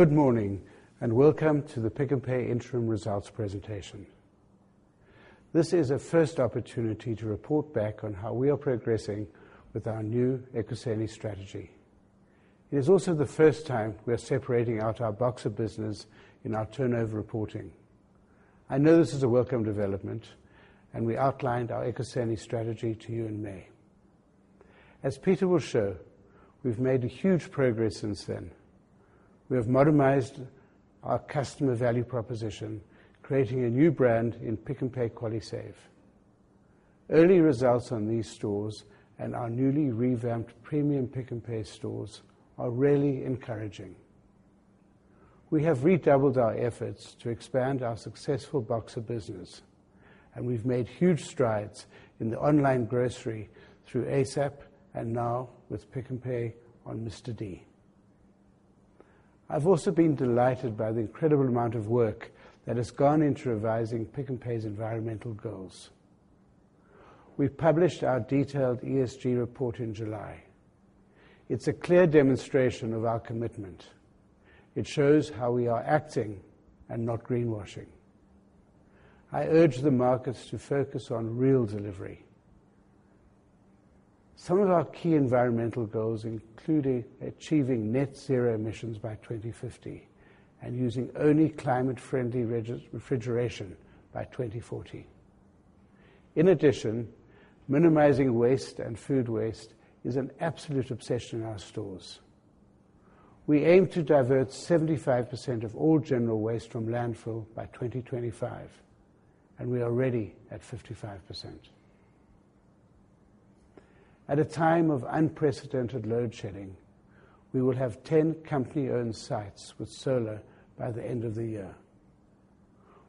Good morning and welcome to the Pick n Pay Interim Results Presentation. This is a first opportunity to report back on how we are progressing with our new Ekuseni strategy. It is also the first time we are separating out our Boxer business in our turnover reporting. I know this is a welcome development, and we outlined our Ekuseni strategy to you in May. As Pieter will show, we've made huge progress since then. We have modernized our customer value proposition, creating a new brand in Pick n Pay QualiSave. Early results on these stores and our newly revamped premium Pick n Pay stores are really encouraging. We have redoubled our efforts to expand our successful Boxer business, and we've made huge strides in the online grocery through ASAP and now with Pick n Pay on Mr D. I've also been delighted by the incredible amount of work that has gone into revising Pick n Pay's environmental goals. We published our detailed ESG report in July. It's a clear demonstration of our commitment. It shows how we are acting and not greenwashing. I urge the markets to focus on real delivery. Some of our key environmental goals include achieving net zero emissions by 2050 and using only climate-friendly refrigeration by 2040. In addition, minimizing waste and food waste is an absolute obsession in our stores. We aim to divert 75% of all general waste from landfill by 2025, and we are already at 55%. At a time of unprecedented load shedding, we will have 10 company-owned sites with solar by the end of the year.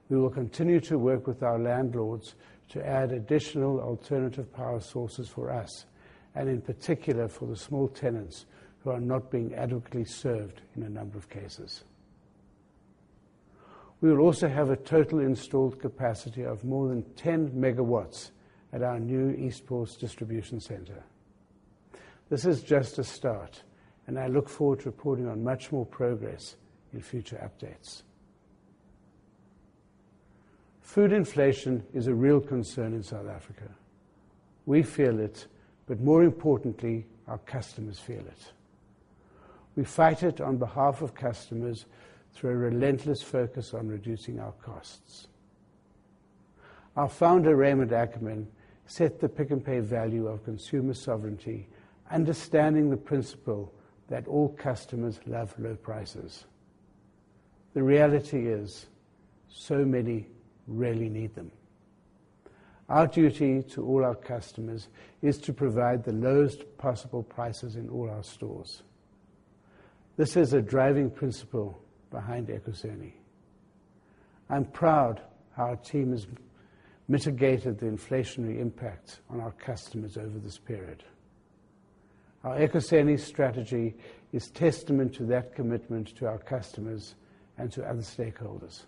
We will continue to work with our landlords to add additional alternative power sources for us and in particular for the small tenants who are not being adequately served in a number of cases. We will also have a total installed capacity of more than 10 megawatts at our new Eastport distribution center. This is just a start, and I look forward to reporting on much more progress in future updates. Food inflation is a real concern in South Africa. We feel it, but more importantly, our customers feel it. We fight it on behalf of customers through a relentless focus on reducing our costs. Our founder, Raymond Ackerman, set the Pick n Pay value of consumer sovereignty, understanding the principle that all customers love low prices. The reality is so many really need them. Our duty to all our customers is to provide the lowest possible prices in all our stores. This is a driving principle behind Ekuseni. I'm proud our team has mitigated the inflationary impact on our customers over this period. Our Ekuseni strategy is testament to that commitment to our customers and to other stakeholders.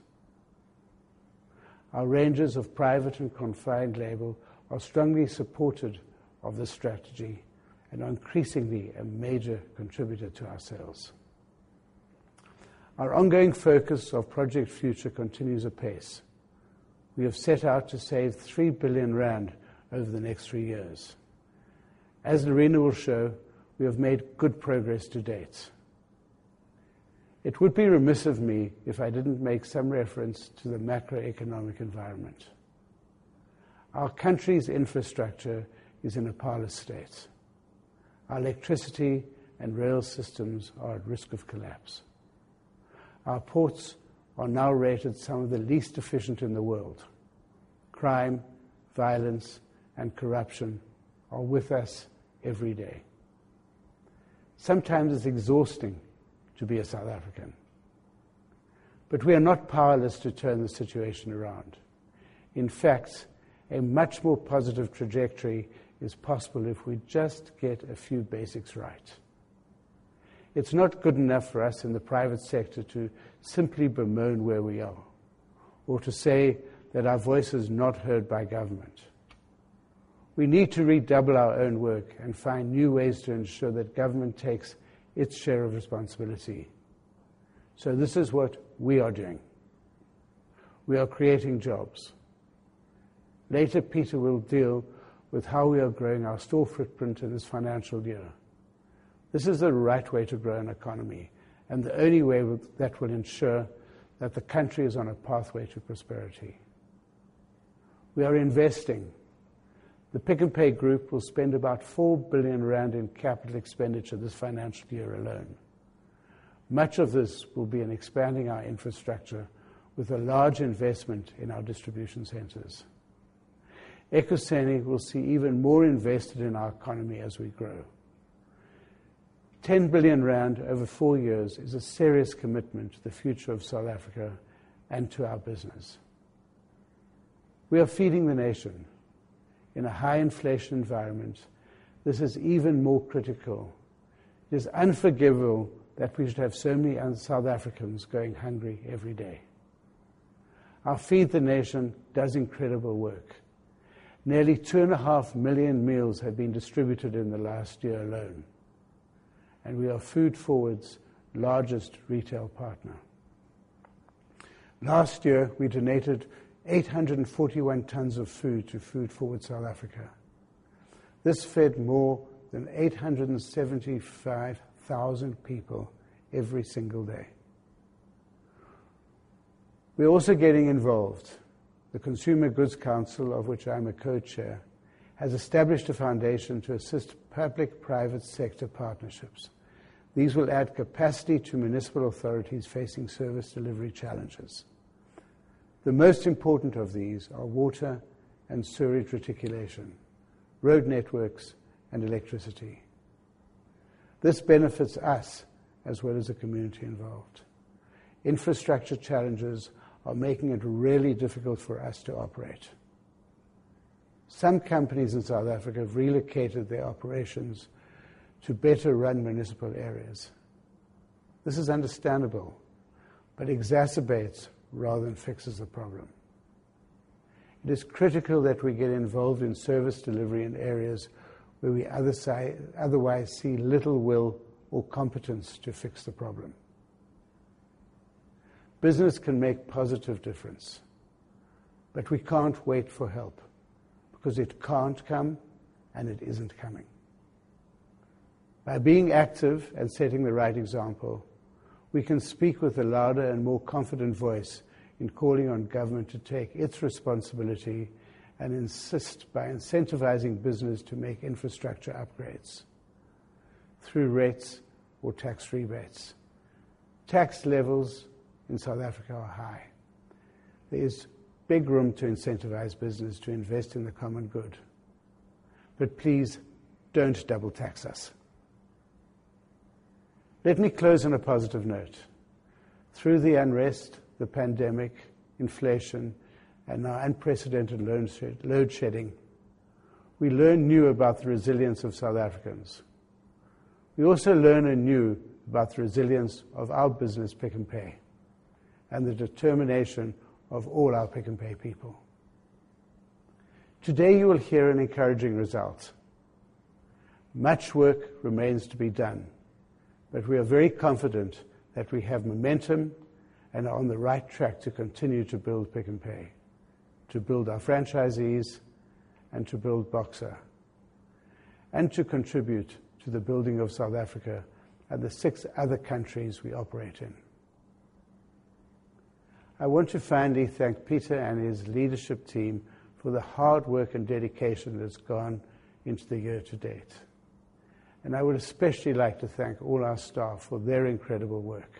Our ranges of private and confined label are strongly supportive of this strategy and are increasingly a major contributor to our sales. Our ongoing focus of Project Future continues apace. We have set out to save 3 billion rand over the next three years. As Lerena will show, we have made good progress to date. It would be remiss of me if I didn't make some reference to the macroeconomic environment. Our country's infrastructure is in a parlous state. Our electricity and rail systems are at risk of collapse. Our ports are now rated some of the least efficient in the world. Crime, violence, and corruption are with us every day. Sometimes it's exhausting to be a South African, but we are not powerless to turn the situation around. In fact, a much more positive trajectory is possible if we just get a few basics right. It's not good enough for us in the private sector to simply bemoan where we are or to say that our voice is not heard by government. We need to redouble our own work and find new ways to ensure that government takes its share of responsibility. This is what we are doing. We are creating jobs. Later, Pieter Boone will deal with how we are growing our store footprint in this financial year. This is the right way to grow an economy and the only way that will ensure that the country is on a pathway to prosperity. We are investing. The Pick n Pay group will spend about 4 billion rand in capital expenditure this financial year alone. Much of this will be in expanding our infrastructure with a large investment in our distribution centers. Ekuseni will see even more invested in our economy as we grow. 10 billion rand over 4 years is a serious commitment to the future of South Africa and to our business. We are feeding the nation. In a high inflation environment, this is even more critical. It is unforgivable that we should have so many South Africans going hungry every day. Our Feed the Nation does incredible work. Nearly 2.5 million meals have been distributed in the last year alone, and we are FoodForward SA's largest retail partner. Last year, we donated 841 tons of food to FoodForward SA. This fed more than 875,000 people every single day. We're also getting involved. The Consumer Goods Council of South Africa, of which I'm a co-chair, has established a foundation to assist public-private sector partnerships. These will add capacity to municipal authorities facing service delivery challenges. The most important of these are water and sewage reticulation, road networks, and electricity. This benefits us as well as the community involved. Infrastructure challenges are making it really difficult for us to operate. Some companies in South Africa have relocated their operations to better run municipal areas. This is understandable but exacerbates rather than fixes the problem. It is critical that we get involved in service delivery in areas where we otherwise see little will or competence to fix the problem. Business can make positive difference, but we can't wait for help because it can't come, and it isn't coming. By being active and setting the right example, we can speak with a louder and more confident voice in calling on government to take its responsibility and insist by incentivizing business to make infrastructure upgrades through rates or tax rebates. Tax levels in South Africa are high. There is big room to incentivize business to invest in the common good. But please don't double-tax us. Let me close on a positive note. Through the unrest, the pandemic, inflation, and our unprecedented load shedding, we learned anew about the resilience of South Africans. We also learn anew about the resilience of our business, Pick n Pay, and the determination of all our Pick n Pay people. Today, you will hear an encouraging result. Much work remains to be done, but we are very confident that we have momentum and are on the right track to continue to build Pick n Pay, to build our franchisees, and to build Boxer, and to contribute to the building of South Africa and the six other countries we operate in. I want to finally thank Pieter and his leadership team for the hard work and dedication that has gone into the year to date, and I would especially like to thank all our staff for their incredible work.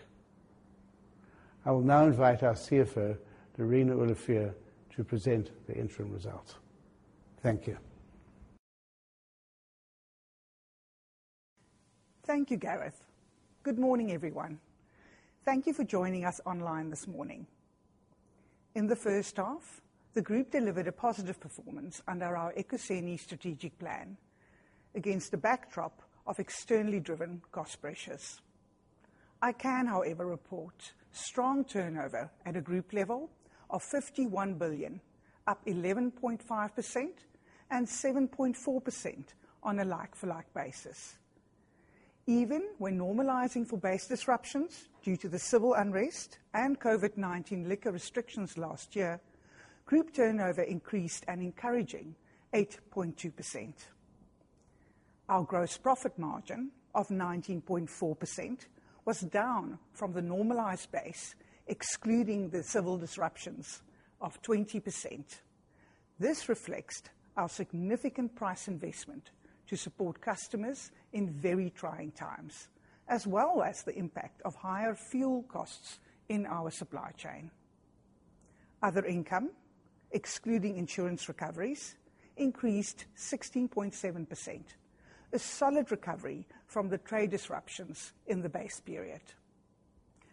I will now invite our CFO, Lerena Olivier, to present the interim results. Thank you. Thank you, Gareth. Good morning, everyone. Thank you for joining us online this morning. In the first half, the group delivered a positive performance under our Ekuseni strategic plan against the backdrop of externally driven cost pressures. I can, however, report strong turnover at a group level of 51 billion, up 11.5% and 7.4% on a like-for-like basis. Even when normalizing for base disruptions due to the civil unrest and COVID-19 liquor restrictions last year, group turnover increased an encouraging 8.2%. Our gross profit margin of 19.4% was down from the normalized base, excluding the civil disruptions of 20%. This reflects our significant price investment to support customers in very trying times, as well as the impact of higher fuel costs in our supply chain. Other income, excluding insurance recoveries, increased 16.7%, a solid recovery from the trade disruptions in the base period.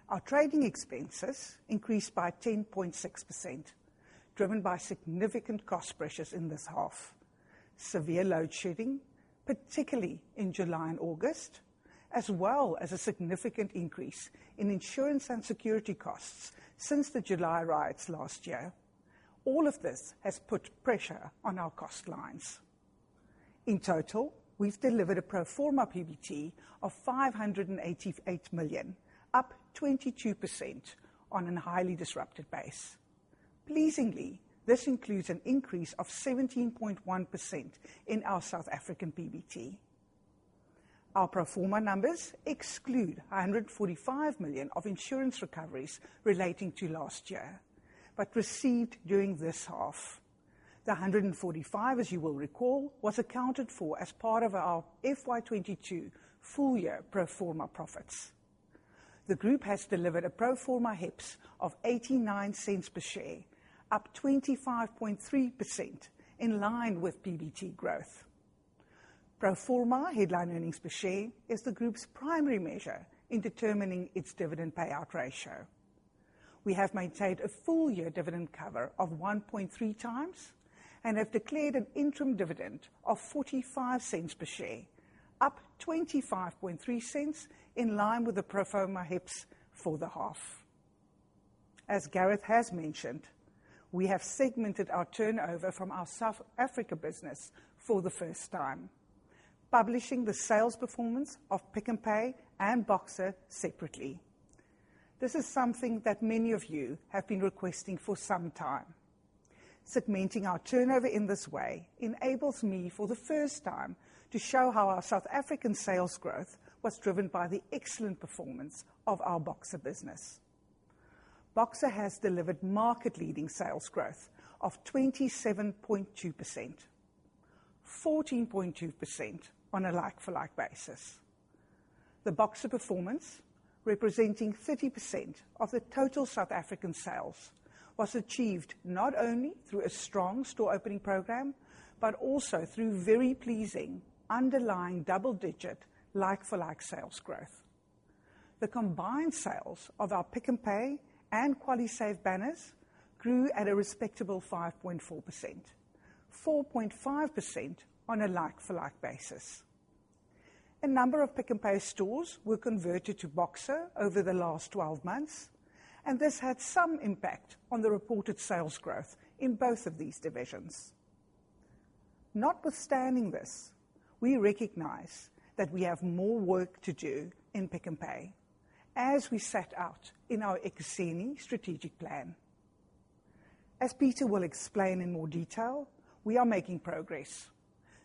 Our trading expenses increased by 10.6%, driven by significant cost pressures in this half. Severe load shedding, particularly in July and August, as well as a significant increase in insurance and security costs since the July riots last year. All of this has put pressure on our cost lines. In total, we've delivered a pro forma PBT of 588 million, up 22% on a highly disrupted base. Pleasingly, this includes an increase of 17.1% in our South African PBT. Our pro forma numbers exclude 145 million of insurance recoveries relating to last year, but received during this half. 145, as you will recall, was accounted for as part of our FY 2022 full year pro forma profits. The group has delivered a pro forma HEPS of 0.89 per share, up 25.3%, in line with PBT growth. Pro forma headline earnings per share is the group's primary measure in determining its dividend payout ratio. We have maintained a full-year dividend cover of 1.3x and have declared an interim dividend of 0.45 per share. Up 0.253, in line with the pro forma HEPS for the half. As Gareth has mentioned, we have segmented our turnover from our South Africa business for the first time, publishing the sales performance of Pick n Pay and Boxer separately. This is something that many of you have been requesting for some time. Segmenting our turnover in this way enables me, for the first time, to show how our South African sales growth was driven by the excellent performance of our Boxer business. Boxer has delivered market-leading sales growth of 27.2%, 14.2% on a like for like basis. The Boxer performance, representing 30% of the total South African sales, was achieved not only through a strong store opening program, but also through very pleasing underlying double-digit, like for like sales growth. The combined sales of our Pick n Pay and QualiSave banners grew at a respectable 5.4%, 4.5% on a like for like basis. A number of Pick n Pay stores were converted to Boxer over the last 12 months, and this had some impact on the reported sales growth in both of these divisions. Notwithstanding this, we recognize that we have more work to do in Pick n Pay, as we set out in our Ekuseni strategic plan. Pieter will explain in more detail, we are making progress.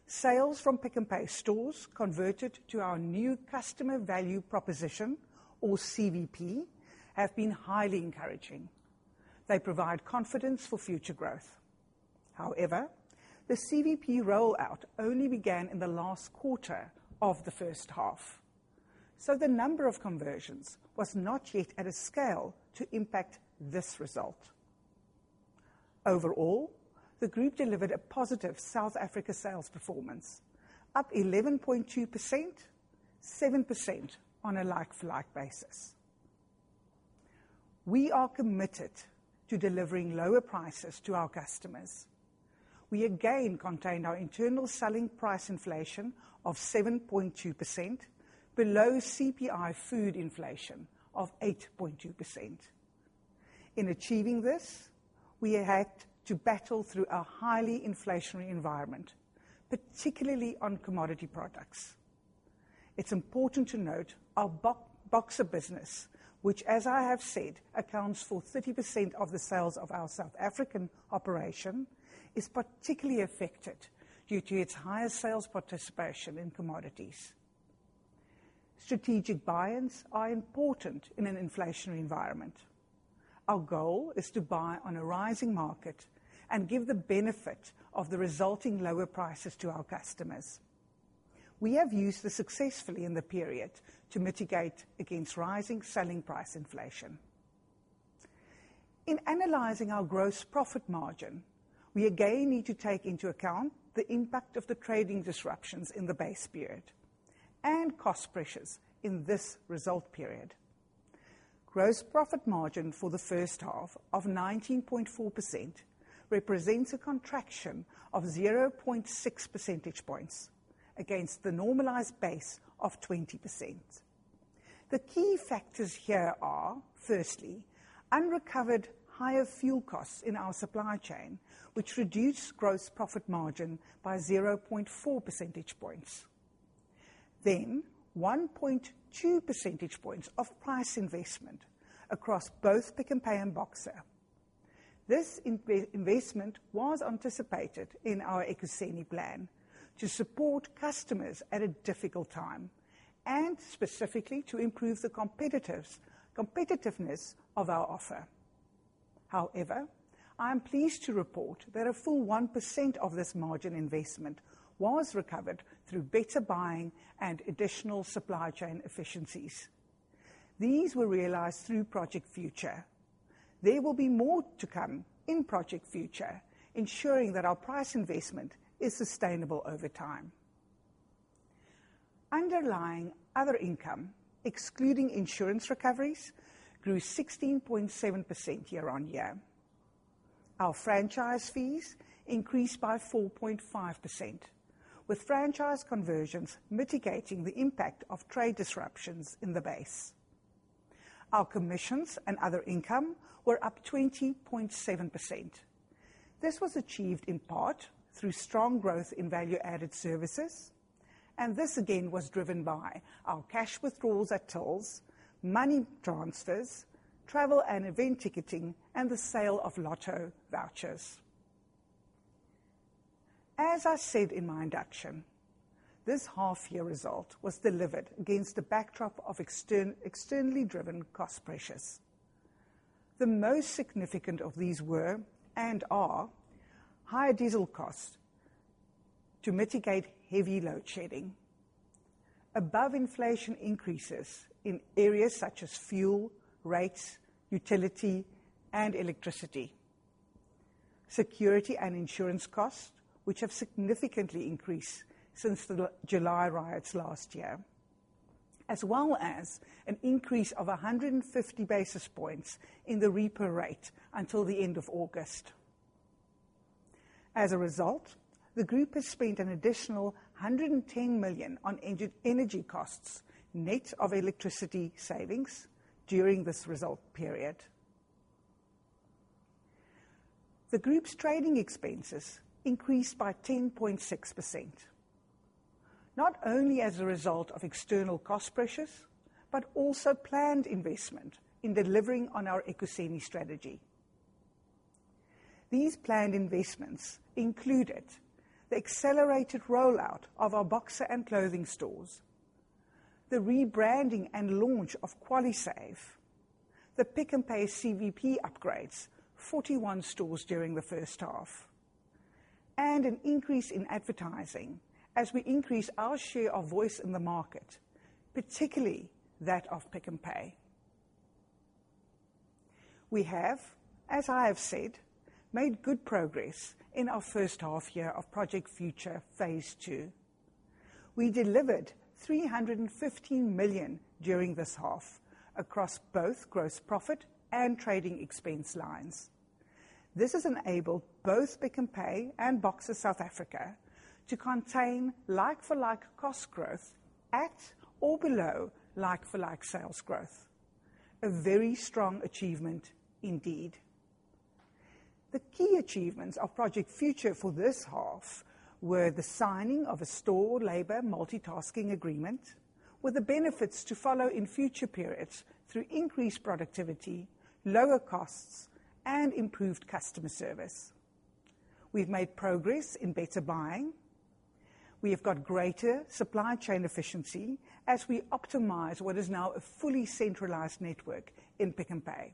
Sales from Pick n Pay stores converted to our new customer value proposition, or CVP, have been highly encouraging. They provide confidence for future growth. However, the CVP rollout only began in the last quarter of the first half, so the number of conversions was not yet at a scale to impact this result. Overall, the group delivered a positive South Africa sales performance up 11.2%, 7% on a like-for-like basis. We are committed to delivering lower prices to our customers. We again contained our internal selling price inflation of 7.2% below CPI food inflation of 8.2%. In achieving this, we had to battle through a highly inflationary environment, particularly on commodity products. It's important to note our Boxer business, which, as I have said, accounts for 30% of the sales of our South African operation, is particularly affected due to its higher sales participation in commodities. Strategic buy-ins are important in an inflationary environment. Our goal is to buy on a rising market and give the benefit of the resulting lower prices to our customers. We have used this successfully in the period to mitigate against rising selling price inflation. In analyzing our gross profit margin, we again need to take into account the impact of the trading disruptions in the base period and cost pressures in this result period. Gross profit margin for the first half of 19.4% represents a contraction of 0.6 percentage points against the normalized base of 20%. The key factors here are, firstly, unrecovered higher fuel costs in our supply chain, which reduced gross profit margin by 0.4 percentage points. 1.2 percentage points of price investment across both Pick n Pay and Boxer. This investment was anticipated in our Ekuseni plan to support customers at a difficult time and specifically to improve the competitiveness of our offer. However, I am pleased to report that a full 1% of this margin investment was recovered through better buying and additional supply chain efficiencies. These were realized through Project Future. There will be more to come in Project Future, ensuring that our price investment is sustainable over time. Underlying other income, excluding insurance recoveries, grew 16.7% year-on-year. Our franchise fees increased by 4.5%, with franchise conversions mitigating the impact of trade disruptions in the base. Our commissions and other income were up 20.7%. This was achieved in part through strong growth in value-added services, and this again was driven by our cash withdrawals at tills, money transfers, travel and event ticketing, and the sale of Lotto vouchers. As I said in my introduction, this half-year result was delivered against a backdrop of externally driven cost pressures. The most significant of these were and are higher diesel costs to mitigate heavy load shedding, above inflation increases in areas such as fuel, rates, utility, and electricity, security and insurance costs, which have significantly increased since the July riots last year, as well as an increase of 150 basis points in the repo rate until the end of August. As a result, the group has spent an additional 110 million on energy costs, net of electricity savings during this result period. The group's trading expenses increased by 10.6%, not only as a result of external cost pressures, but also planned investment in delivering on our Ekuseni strategy. These planned investments included the accelerated rollout of our Boxer and clothing stores, the rebranding and launch of QualiSave, the Pick n Pay CVP upgrades, 41 stores during the first half, and an increase in advertising as we increase our share of voice in the market, particularly that of Pick n Pay. We have, as I have said, made good progress in our first half year of Project Future Phase Two. We delivered 315 million during this half across both gross profit and trading expense lines. This has enabled both Pick n Pay and Boxer South Africa to contain like-for-like cost growth at or below like-for-like sales growth. A very strong achievement indeed. The key achievements of Project Future for this half were the signing of a store labor multitasking agreement, with the benefits to follow in future periods through increased productivity, lower costs, and improved customer service. We've made progress in better buying. We have got greater supply chain efficiency as we optimize what is now a fully centralized network in Pick n Pay.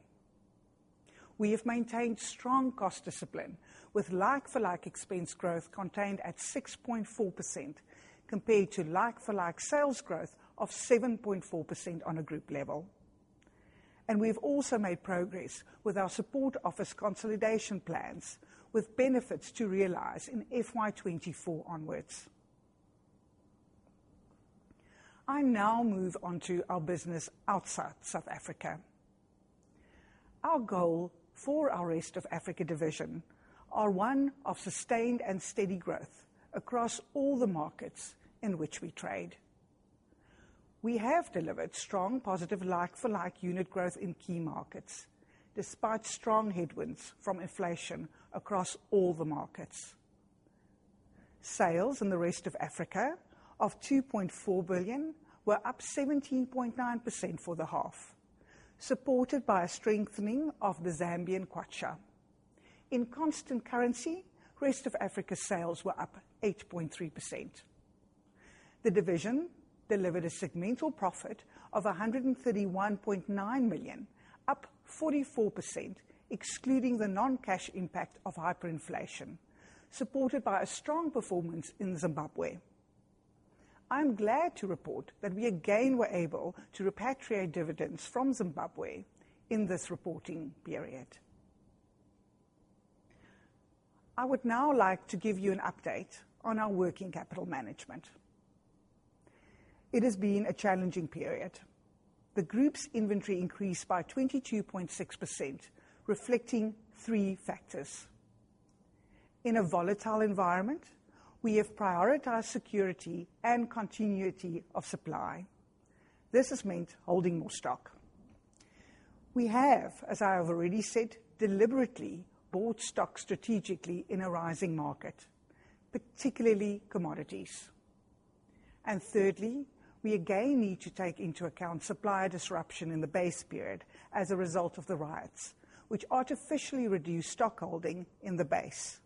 We have maintained strong cost discipline with like for like expense growth contained at 6.4% compared to like for like sales growth of 7.4% on a group level. We've also made progress with our support office consolidation plans, with benefits to realize in FY 2024 onwards. I now move on to our business outside South Africa. Our goal for our Rest of Africa division are one of sustained and steady growth across all the markets in which we trade. We have delivered strong positive like for like unit growth in key markets, despite strong headwinds from inflation across all the markets. Sales in the Rest of Africa of 2.4 billion were up 17.9% for the half, supported by a strengthening of the Zambian kwacha. In constant currency, Rest of Africa sales were up 8.3%. The division delivered a segmental profit of 131.9 million, up 44%, excluding the non-cash impact of hyperinflation, supported by a strong performance in Zimbabwe. I'm glad to report that we again were able to repatriate dividends from Zimbabwe in this reporting period. I would now like to give you an update on our working capital management. It has been a challenging period. The group's inventory increased by 22.6%, reflecting three factors. In a volatile environment, we have prioritized security and continuity of supply. This has meant holding more stock. We have, as I have already said, deliberately bought stock strategically in a rising market, particularly commodities. Thirdly, we again need to take into account supplier disruption in the base period as a result of the riots, which artificially reduced stockholding in the base.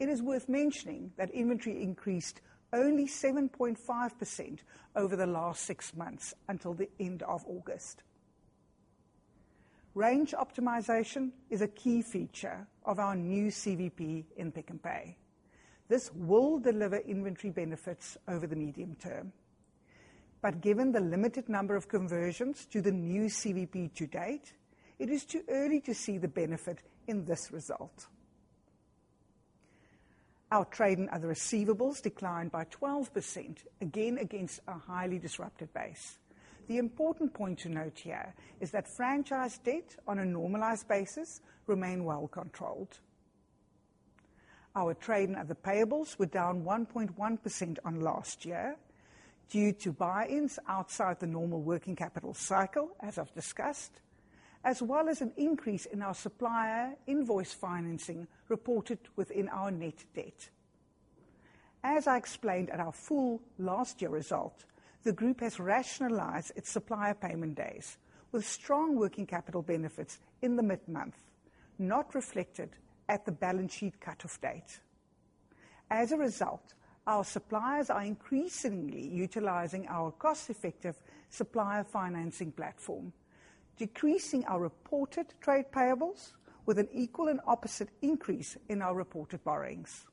It is worth mentioning that inventory increased only 7.5% over the last six months until the end of August. Range optimization is a key feature of our new CVP in Pick n Pay. This will deliver inventory benefits over the medium term. Given the limited number of conversions to the new CVP to date, it is too early to see the benefit in this result. Our trade and other receivables declined by 12%, again, against a highly disrupted base. The important point to note here is that franchise debt on a normalized basis remain well controlled. Our trade and other payables were down 1.1% on last year due to buy-ins outside the normal working capital cycle, as I've discussed, as well as an increase in our supplier invoice financing reported within our net debt. As I explained at our full last year result, the group has rationalized its supplier payment days with strong working capital benefits in the mid-month, not reflected at the balance sheet cutoff date. As a result, our suppliers are increasingly utilizing our cost-effective supplier financing platform, decreasing our reported trade payables with an equal and opposite increase in our reported borrowings.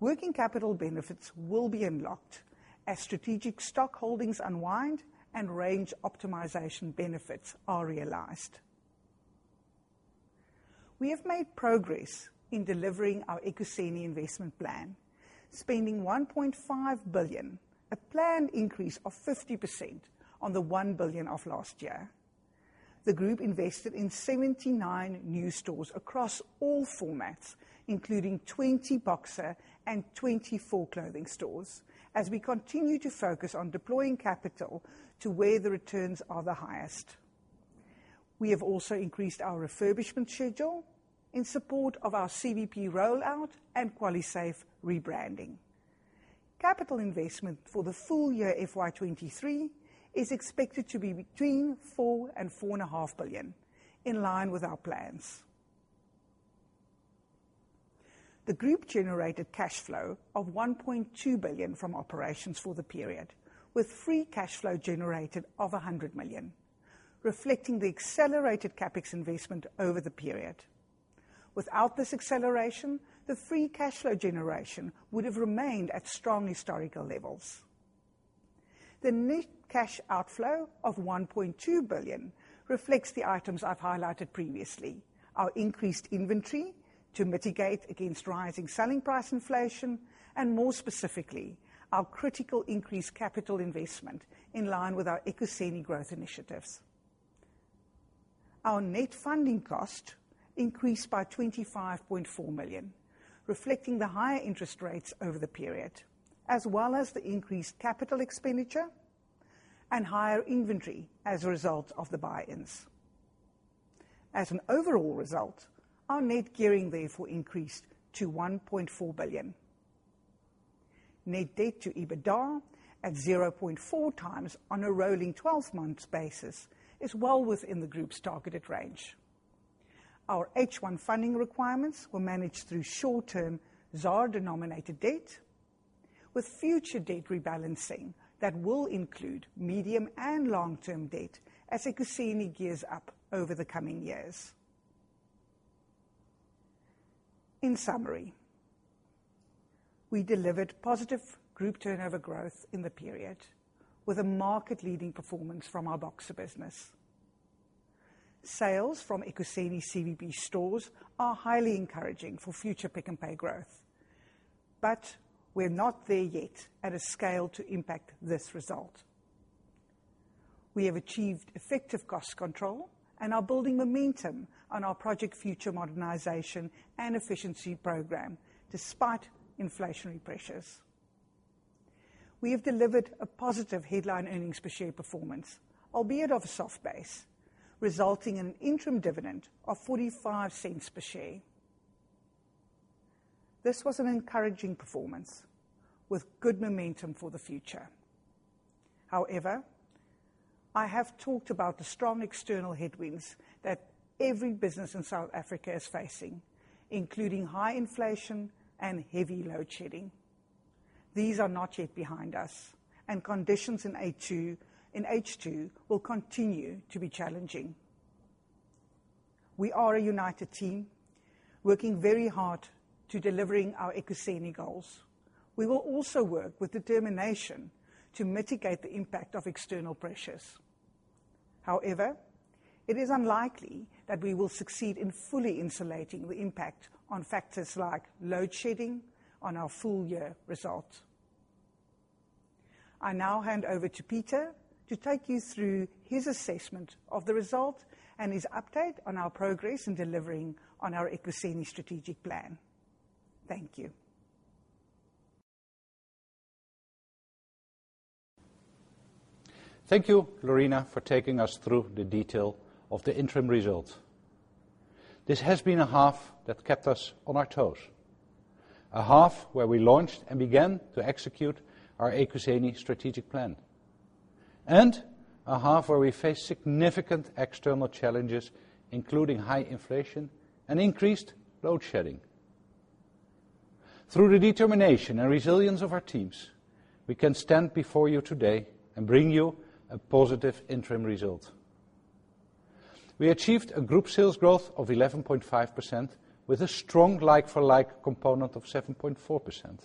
Working capital benefits will be unlocked as strategic stock holdings unwind and range optimization benefits are realized. We have made progress in delivering our Ekuseni investment plan. Spending 1.5 billion, a planned increase of 50% on the 1 billion of last year. The group invested in 79 new stores across all formats, including 20 Boxer and 24 Clothing stores as we continue to focus on deploying capital to where the returns are the highest. We have also increased our refurbishment schedule in support of our CVP rollout and QualiSave rebranding. Capital investment for the full year FY23 is expected to be between 4 billion and 4.5 billion, in line with our plans. The group generated cash flow of 1.2 billion from operations for the period, with free cash flow generated of 100 million, reflecting the accelerated CapEx investment over the period. Without this acceleration, the free cash flow generation would have remained at strong historical levels. The net cash outflow of 1.2 billion reflects the items I've highlighted previously. Our increased inventory to mitigate against rising selling price inflation and more specifically, our critical increased capital investment in line with our Ekuseni growth initiatives. Our net funding cost increased by 25.4 million, reflecting the higher interest rates over the period, as well as the increased capital expenditure and higher inventory as a result of the buy-ins. As an overall result, our net gearing therefore increased to 1.4 billion. Net debt to EBITDA at 0.4x on a rolling twelve-month basis is well within the group's targeted range. Our H1 funding requirements were managed through short-term ZAR-denominated debt, with future debt rebalancing that will include medium and long-term debt as Ekuseni gears up over the coming years. In summary, we delivered positive group turnover growth in the period with a market-leading performance from our Boxer business. Sales from Ekuseni CVP stores are highly encouraging for future Pick n Pay growth, but we're not there yet at a scale to impact this result. We have achieved effective cost control and are building momentum on our Project Future modernization and efficiency program, despite inflationary pressures. We have delivered a positive headline earnings per share performance, albeit of a soft base, resulting in an interim dividend of 0.45 per share. This was an encouraging performance with good momentum for the future. However, I have talked about the strong external headwinds that every business in South Africa is facing, including high inflation and heavy load shedding. These are not yet behind us, and conditions in H2, in H2 will continue to be challenging. We are a united team, working very hard to delivering our Ekuseni goals. We will also work with determination to mitigate the impact of external pressures. However, it is unlikely that we will succeed in fully insulating the impact on factors like load shedding on our full year results. I now hand over to Pieter to take you through his assessment of the result and his update on our progress in delivering on our Ekuseni strategic plan. Thank you. Thank you, Lerena, for taking us through the detail of the interim results. This has been a half that kept us on our toes, a half where we launched and began to execute our Ekuseni strategic plan, and a half where we faced significant external challenges, including high inflation and increased load shedding. Through the determination and resilience of our teams, we can stand before you today and bring you a positive interim result. We achieved a group sales growth of 11.5% with a strong like-for-like component of 7.4%.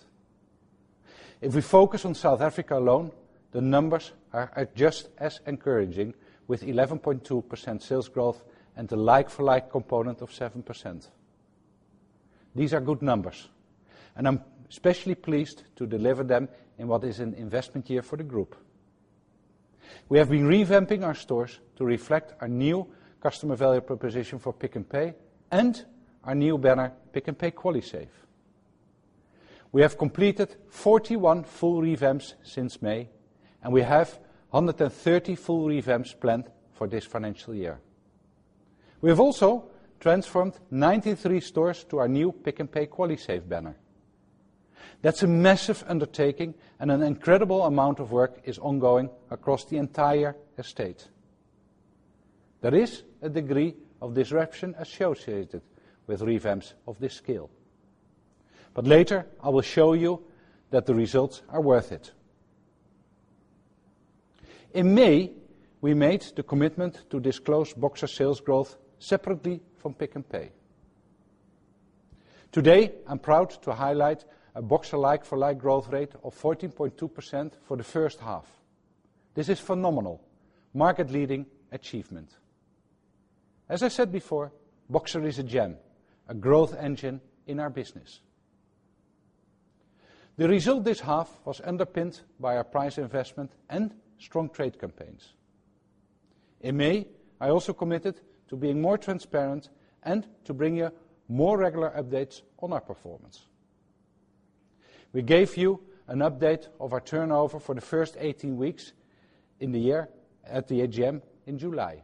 If we focus on South Africa alone, the numbers are just as encouraging with 11.2% sales growth and a like-for-like component of 7%. These are good numbers, and I'm especially pleased to deliver them in what is an investment year for the group. We have been revamping our stores to reflect our new customer value proposition for Pick n Pay and our new banner, Pick n Pay QualiSave. We have completed 41 full revamps since May, and we have 130 full revamps planned for this financial year. We have also transformed 93 stores to our new Pick n Pay QualiSave banner. That's a massive undertaking, and an incredible amount of work is ongoing across the entire estate. There is a degree of disruption associated with revamps of this scale. Later, I will show you that the results are worth it. In May, we made the commitment to disclose Boxer sales growth separately from Pick n Pay. Today, I'm proud to highlight a Boxer like-for-like growth rate of 14.2% for the first half. This is phenomenal, market-leading achievement. As I said before, Boxer is a gem, a growth engine in our business. The result this half was underpinned by our price investment and strong trade campaigns. In May, I also committed to being more transparent and to bring you more regular updates on our performance. We gave you an update of our turnover for the first 18 weeks in the year at the AGM in July.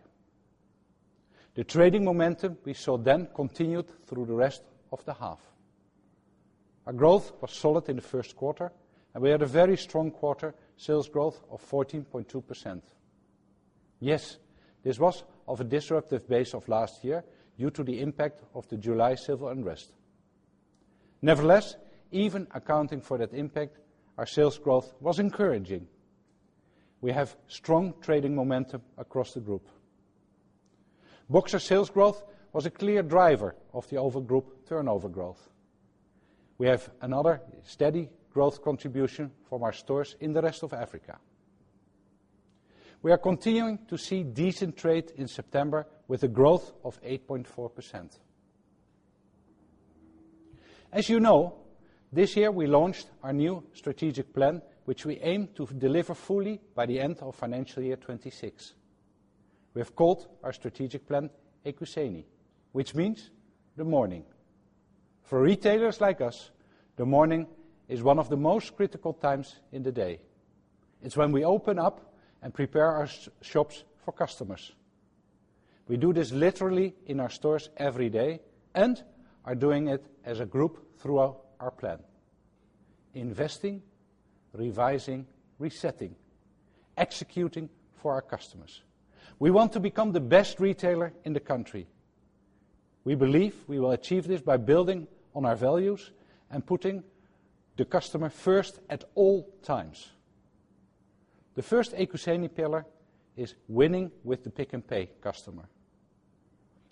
The trading momentum we saw then continued through the rest of the half. Our growth was solid in the first quarter, and we had a very strong quarter sales growth of 14.2%. Yes, ths was of a disruptive base of last year due to the impact of the July civil unrest. Nevertheless, even accounting for that impact, our sales growth was encouraging. We have strong trading momentum across the group. Boxer sales growth was a clear driver of the overall group turnover growth. We have another steady growth contribution from our stores in the rest of Africa. We are continuing to see decent trade in September with a growth of 8.4%. As you know, this year we launched our new strategic plan, which we aim to deliver fully by the end of financial year 2026. We have called our strategic plan Ekuseni, which means the morning. For retailers like us, the morning is one of the most critical times in the day. It's when we open up and prepare our shops for customers. We do this literally in our stores every day and are doing it as a group throughout our plan. Investing, revising, resetting, executing for our customers. We want to become the best retailer in the country. We believe we will achieve this by building on our values and putting the customer first at all times. The first Ekuseni pillar is winning with the Pick n Pay customer.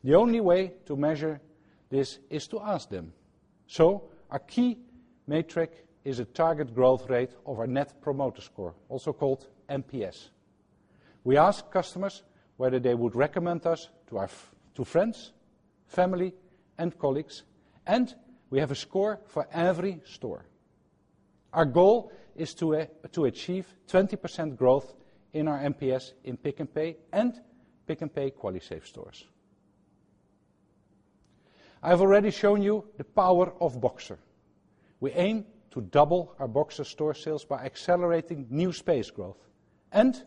The only way to measure this is to ask them. Our key metric is a target growth rate of our net promoter score, also called NPS. We ask customers whether they would recommend us to our to friends, family, and colleagues, and we have a score for every store. Our goal is to to achieve 20% growth in our NPS in Pick n Pay and Pick n Pay QualiSave stores. I've already shown you the power of Boxer. We aim to double our Boxer store sales by accelerating new space growth and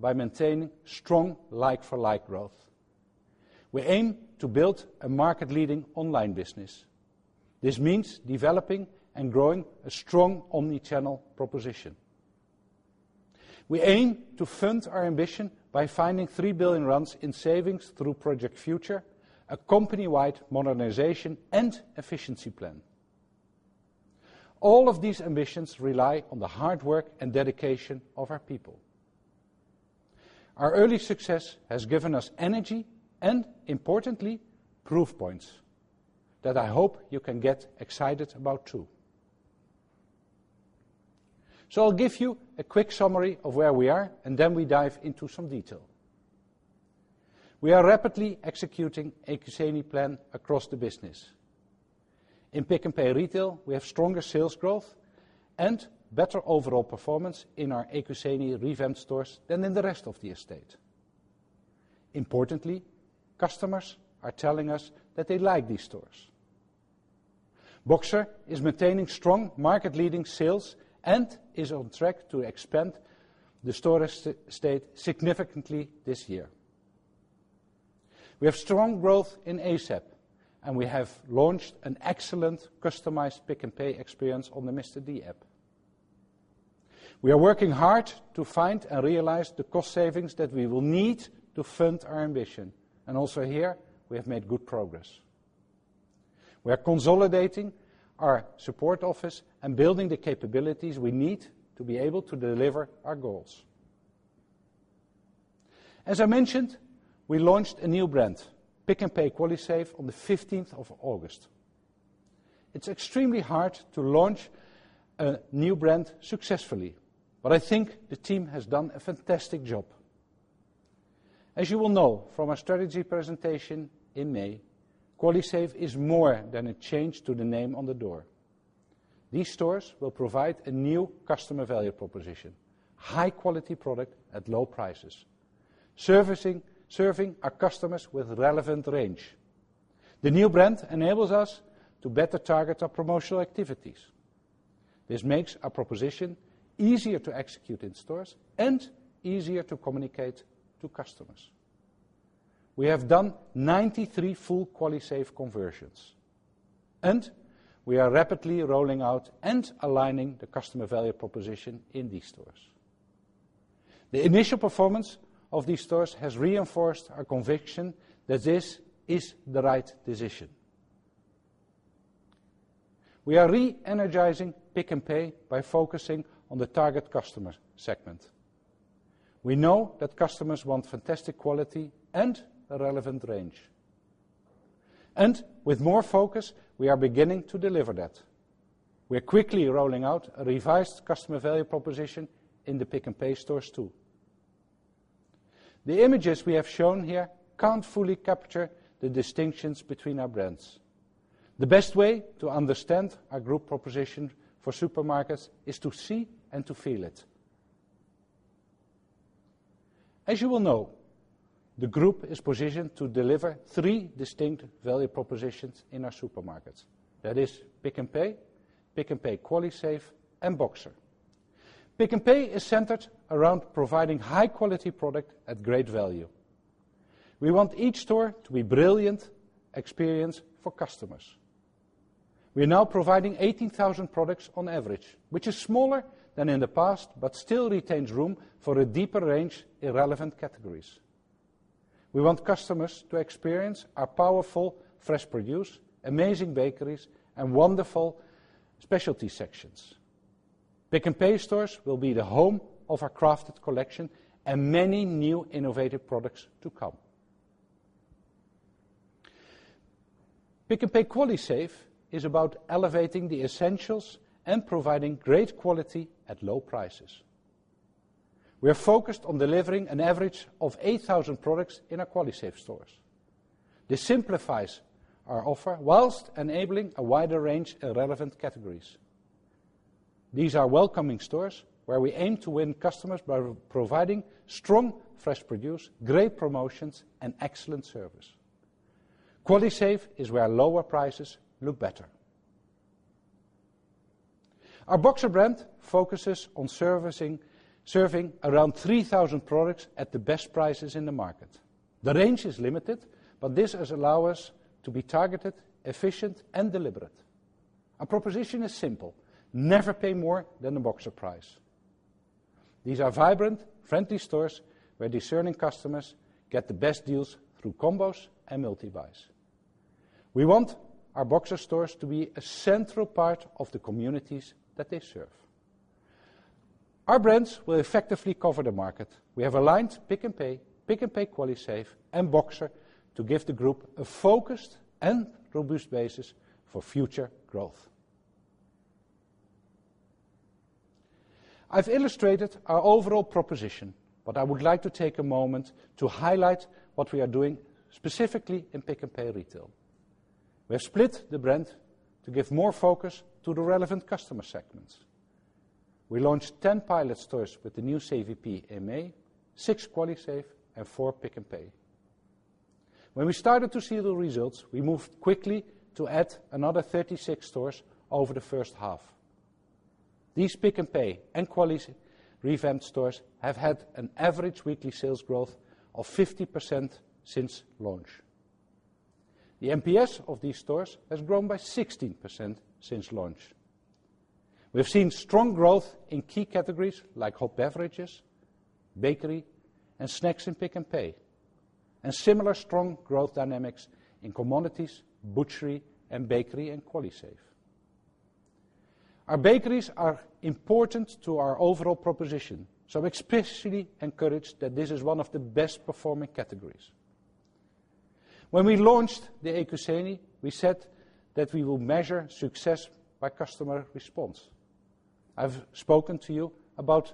by maintaining strong like-for-like growth. We aim to build a market-leading online business. This means developing and growing a strong omni-channel proposition. We aim to fund our ambition by finding 3 billion rand in savings through Project Future, a company-wide modernization and efficiency plan. All of these ambitions rely on the hard work and dedication of our people. Our early success has given us energy and, importantly, proof points that I hope you can get excited about too. I'll give you a quick summary of where we are, and then we dive into some detail. We are rapidly executing Ekuseni plan across the business. In Pick n Pay Retail, we have stronger sales growth and better overall performance in our Ekuseni revamped stores than in the rest of the estate. Importantly, customers are telling us that they like these stores. Boxer is maintaining strong market-leading sales and is on track to expand the store state significantly this year. We have strong growth in ASAP, and we have launched an excellent customized Pick n Pay experience on the Mr D app. We are working hard to find and realize the cost savings that we will need to fund our ambition. Also here we have made good progress. We are consolidating our support office and building the capabilities we need to be able to deliver our goals. As I mentioned, we launched a new brand, Pick n Pay QualiSave, on the fifteenth of August. It's extremely hard to launch a new brand successfully, but I think the team has done a fantastic job. As you will know from our strategy presentation in May, QualiSave is more than a change to the name on the door. These stores will provide a new customer value proposition, high quality product at low prices, serving our customers with relevant range. The new brand enables us to better target our promotional activities. This makes our proposition easier to execute in stores and easier to communicate to customers. We have done 93 full QualiSave conversions, and we are rapidly rolling out and aligning the customer value proposition in these stores. The initial performance of these stores has reinforced our conviction that this is the right decision. We are re-energizing Pick n Pay by focusing on the target customer segment. We know that customers want fantastic quality and a relevant range. With more focus, we are beginning to deliver that. We're quickly rolling out a revised customer value proposition in the Pick n Pay stores too. The images we have shown here can't fully capture the distinctions between our brands. The best way to understand our group proposition for supermarkets is to see and to feel it. As you will know, the group is positioned to deliver three distinct value propositions in our supermarkets. That is Pick n Pay, Pick n Pay QualiSave, and Boxer. Pick n Pay is centered around providing high-quality product at great value. We want each store to be a brilliant experience for customers. We are now providing 18,000 products on average, which is smaller than in the past, but still retains room for a deeper range in relevant categories. We want customers to experience our powerful fresh produce, amazing bakeries, and wonderful specialty sections. Pick n Pay stores will be the home of our Crafted Collection and many new innovative products to come. Pick n Pay QualiSave is about elevating the essentials and providing great quality at low prices. We are focused on delivering an average of 8,000 products in our QualiSave stores. This simplifies our offer while enabling a wider range in relevant categories. These are welcoming stores where we aim to win customers by providing strong fresh produce, great promotions, and excellent service. QualiSave is where lower prices look better. Our Boxer brand focuses on serving around 3,000 products at the best prices in the market. The range is limited, but this has allowed us to be targeted, efficient, and deliberate. Our proposition is simple: Never pay more than the Boxer price. These are vibrant, friendly stores, where discerning customers get the best deals through combos and multi-buys. We want our Boxer stores to be a central part of the communities that they serve. Our brands will effectively cover the market. We have aligned Pick n Pay, Pick n Pay QualiSave, and Boxer to give the group a focused and robust basis for future growth. I've illustrated our overall proposition, but I would like to take a moment to highlight what we are doing specifically in Pick n Pay Retail. We have split the brand to give more focus to the relevant customer segments. We launched 10 pilot stores with the new QualiSave in May, 6 QualiSave, and 4 Pick n Pay. When we started to see the results, we moved quickly to add another 36 stores over the first half. These Pick n Pay and QualiSave revamped stores have had an average weekly sales growth of 50% since launch. The NPS of these stores has grown by 16% since launch. We've seen strong growth in key categories like hot beverages, bakery, and snacks in Pick n Pay, and similar strong growth dynamics in commodities, butchery, and bakery in QualiSave. Our bakeries are important to our overall proposition, so I'm especially encouraged that this is one of the best-performing categories. When we launched the Ekuseni, we said that we will measure success by customer response. I've spoken to you about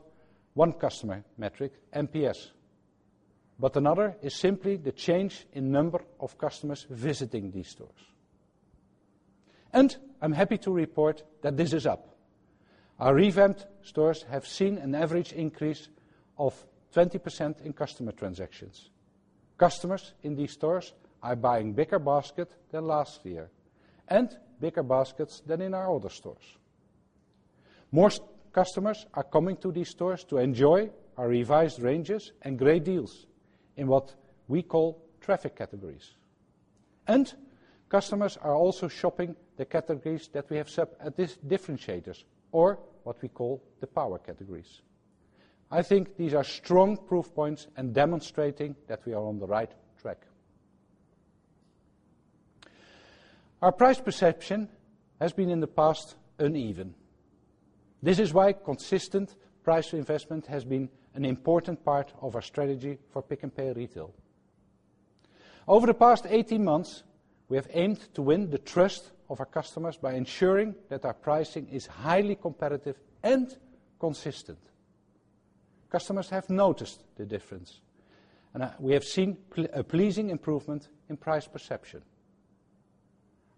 one customer metric, NPS, but another is simply the change in number of customers visiting these stores. I'm happy to report that this is up. Our revamped stores have seen an average increase of 20% in customer transactions. Customers in these stores are buying bigger basket than last year, and bigger baskets than in our older stores. More customers are coming to these stores to enjoy our revised ranges and great deals in what we call traffic categories. Customers are also shopping the categories that we have set at these differentiators, or what we call the power categories. I think these are strong proof points in demonstrating that we are on the right track. Our price perception has been, in the past, uneven. This is why consistent price investment has been an important part of our strategy for Pick n Pay Retail. Over the past 18 months, we have aimed to win the trust of our customers by ensuring that our pricing is highly competitive and consistent. Customers have noticed the difference, and we have seen a pleasing improvement in price perception.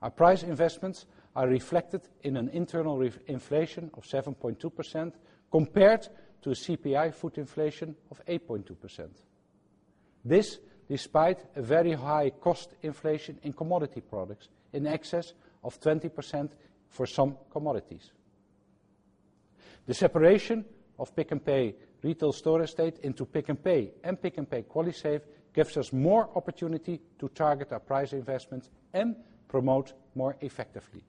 Our price investments are reflected in an internal inflation of 7.2% compared to CPI food inflation of 8.2%. This despite a very high cost inflation in commodity products in excess of 20% for some commodities. The separation of Pick n Pay Retail store estate into Pick n Pay and Pick n Pay QualiSave gives us more opportunity to target our price investments and promote more effectively.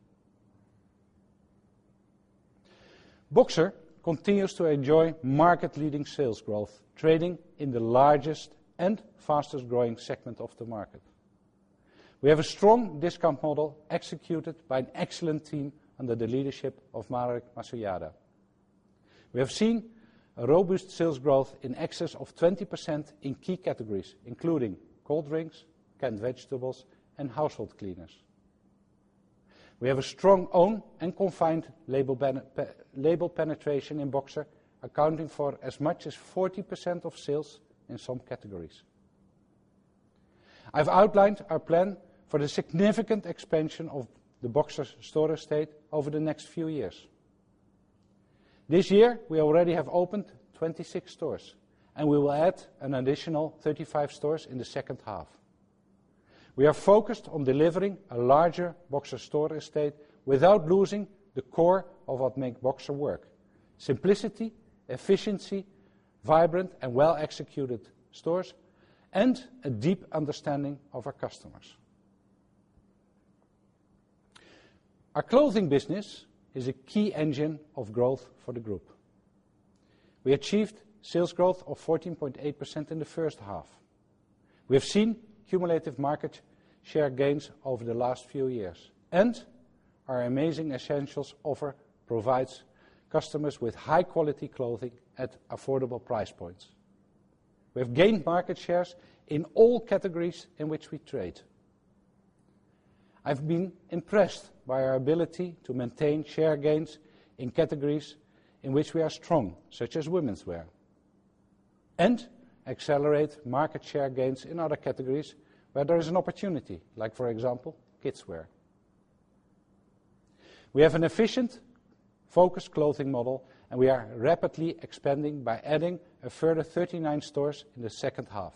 Boxer continues to enjoy market-leading sales growth, trading in the largest and fastest-growing segment of the market. We have a strong discount model executed by an excellent team under the leadership of Marek Masojada. We have seen a robust sales growth in excess of 20% in key categories, including cold drinks, canned vegetables, and household cleaners. We have a strong private and confined label penetration in Boxer, accounting for as much as 40% of sales in some categories. I've outlined our plan for the significant expansion of the Boxer store estate over the next few years. This year, we already have opened 26 stores, and we will add an additional 35 stores in the second half. We are focused on delivering a larger Boxer store estate without losing the core of what make Boxer work, simplicity, efficiency, vibrant and well-executed stores, and a deep understanding of our customers. Our clothing business is a key engine of growth for the group. We achieved sales growth of 14.8% in the first half. We have seen cumulative market share gains over the last few years, and our amazing essentials offer provides customers with high quality clothing at affordable price points. We have gained market shares in all categories in which we trade. I've been impressed by our ability to maintain share gains in categories in which we are strong, such as womenswear, and accelerate market share gains in other categories where there is an opportunity, like for example, kidswear. We have an efficient, focused clothing model, and we are rapidly expanding by adding a further 39 stores in the second half.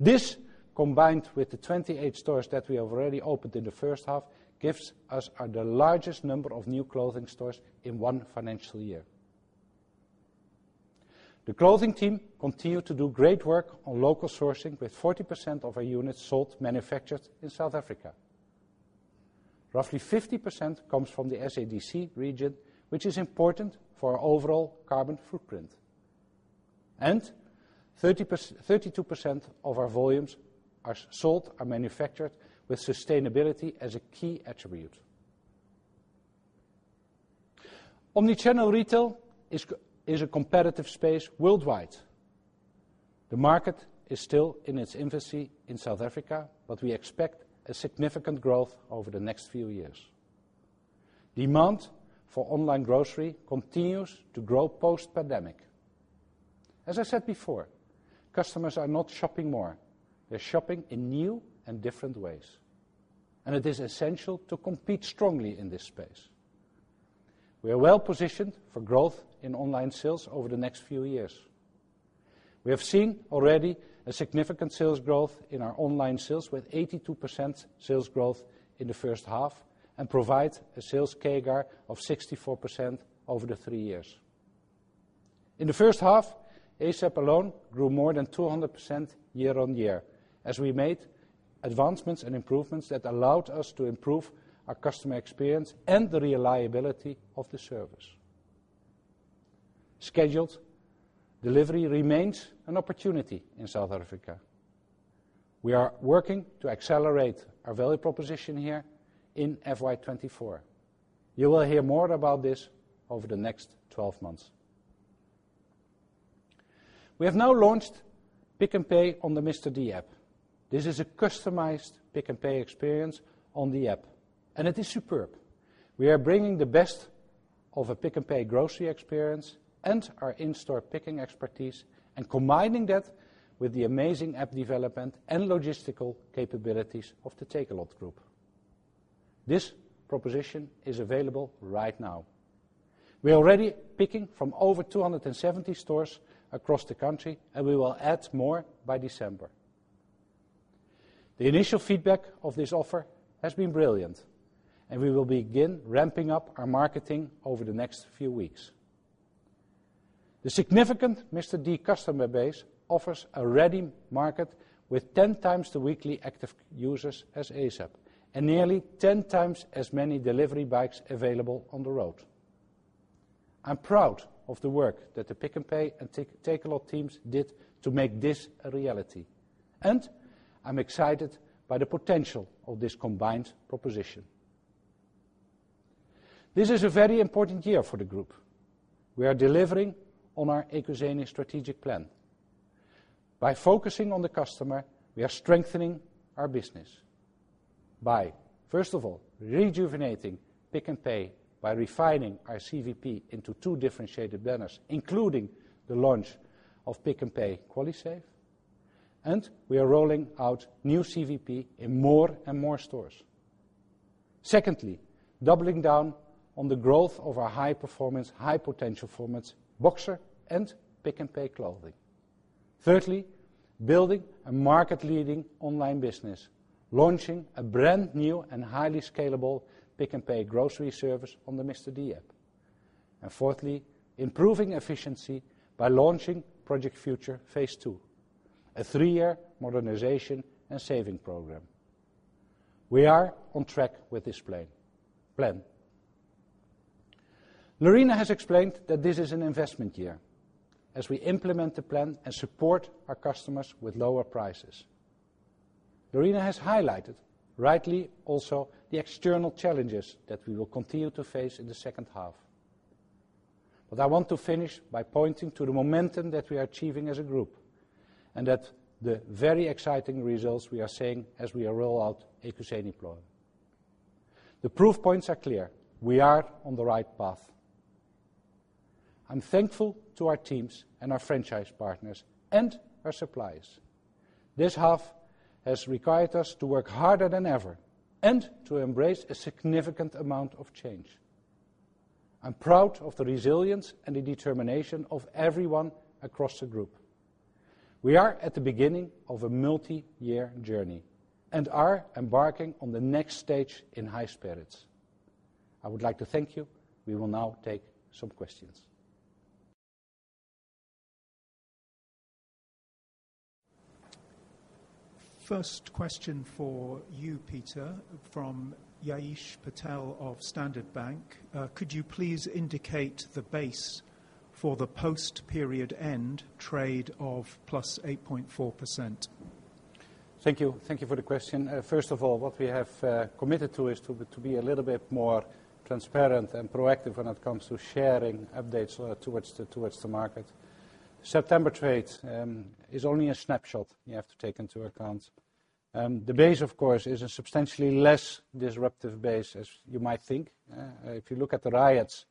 This, combined with the 28 stores that we have already opened in the first half, gives us the largest number of new clothing stores in one financial year. The clothing team continue to do great work on local sourcing, with 40% of our units sold manufactured in South Africa. Roughly 50% comes from the SADC region, which is important for our overall carbon footprint. Thirty-two percent of our volumes are manufactured with sustainability as a key attribute. Omnichannel retail is a competitive space worldwide. The market is still in its infancy in South Africa, but we expect a significant growth over the next few years. Demand for online grocery continues to grow post-pandemic. As I said before, customers are not shopping more. They're shopping in new and different ways, and it is essential to compete strongly in this space. We are well-positioned for growth in online sales over the next few years. We have seen already a significant sales growth in our online sales with 82% sales growth in the first half and provide a sales CAGR of 64% over the three years. In the first half, ASAP alone grew more than 200% year-on-year as we made advancements and improvements that allowed us to improve our customer experience and the reliability of the service. Scheduled delivery remains an opportunity in South Africa. We are working to accelerate our value proposition here in FY24. You will hear more about this over the next twelve months. We have now launched Pick n Pay on the Mr D app. This is a customized Pick n Pay experience on the app, and it is superb. We are bringing the best of a Pick n Pay grocery experience and our in-store picking expertise and combining that with the amazing app development and logistical capabilities of the Takealot Group. This proposition is available right now. We're already picking from over 270 stores across the country, and we will add more by December. The initial feedback of this offer has been brilliant, and we will begin ramping up our marketing over the next few weeks. The significant Mr D customer base offers a ready market with 10 times the weekly active users as ASAP and nearly 10x as many delivery bikes available on the road. I'm proud of the work that the Pick n Pay and Takealot teams did to make this a reality, and I'm excited by the potential of this combined proposition. This is a very important year for the group. We are delivering on our Ekuseni strategic plan. By focusing on the customer, we are strengthening our business by, first of all, rejuvenating Pick n Pay by refining our CVP into two differentiated banners, including the launch of Pick n Pay QualiSave, and we are rolling out new CVP in more and more stores. Secondly, doubling down on the growth of our high-performance, high-potential formats, Boxer and Pick n Pay Clothing. Thirdly, building a market-leading online business, launching a brand-new and highly scalable Pick n Pay grocery service on the Mr D app. And fourthly, improving efficiency by launching Project Future Phase Two, a three-year modernization and savings program. We are on track with this plan. Lerena has explained that this is an investment year as we implement the plan and support our customers with lower prices. Lerena has highlighted rightly also the external challenges that we will continue to face in the second half. I want to finish by pointing to the momentum that we are achieving as a group, and that the very exciting results we are seeing as we roll out Ekuseni plan. The proof points are clear. We are on the right path. I'm thankful to our teams and our franchise partners and our suppliers. This half has required us to work harder than ever and to embrace a significant amount of change. I'm proud of the resilience and the determination of everyone across the group. We are at the beginning of a multi-year journey and are embarking on the next stage in high spirits. I would like to thank you. We will now take some questions. First question for you, Pieter, from Yashir Patel of Standard Bank. Could you please indicate the base for the post-period end trade of +8.4%? Thank you. Thank you for the question. First of all, what we have committed to is to be a little bit more transparent and proactive when it comes to sharing updates towards the market. September trade is only a snapshot you have to take into account. The base, of course, is a substantially less disruptive base as you might think. If you look at the riots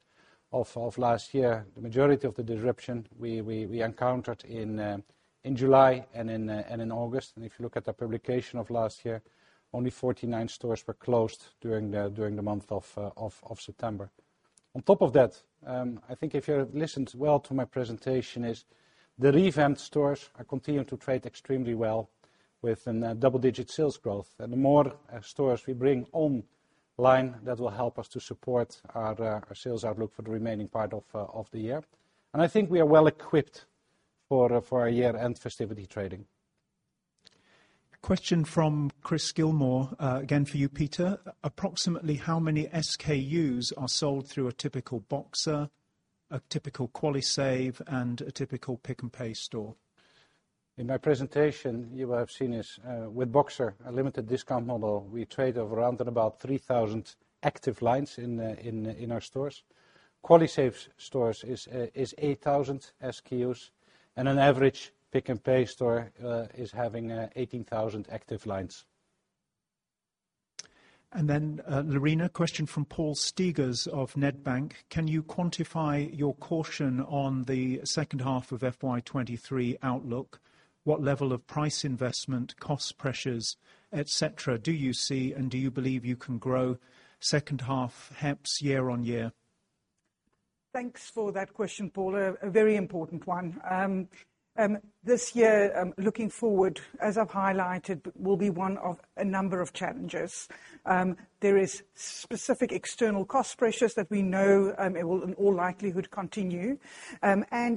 of last year, the majority of the disruption we encountered in July and in August. If you look at the publication of last year, only 49 stores were closed during the month of September. On top of that, I think if you listened well to my presentation, as the revamped stores are continuing to trade extremely well with double-digit sales growth. The more stores we bring online, that will help us to support our sales outlook for the remaining part of the year. I think we are well equipped for our year-end festive trading. Question from Chris Gilmour, again for you, Pieter. Approximately how many SKUs are sold through a typical Boxer, a typical QualiSave, and a typical Pick n Pay store? In my presentation, you will have seen, with Boxer, a limited discount model, we trade off around about 3,000 active lines in our stores. QualiSave stores is 8,000 SKUs, and an average Pick n Pay store is having 18,000 active lines. Lerena, question from Paul Steegers of Nedbank. Can you quantify your caution on the second half of FY 2023 outlook? What level of price investment, cost pressures, et cetera, do you see, and do you believe you can grow second half HEPS year-on-year? Thanks for that question, Paul. A very important one. This year, looking forward, as I've highlighted, will be one of a number of challenges. There is specific external cost pressures that we know, it will in all likelihood continue.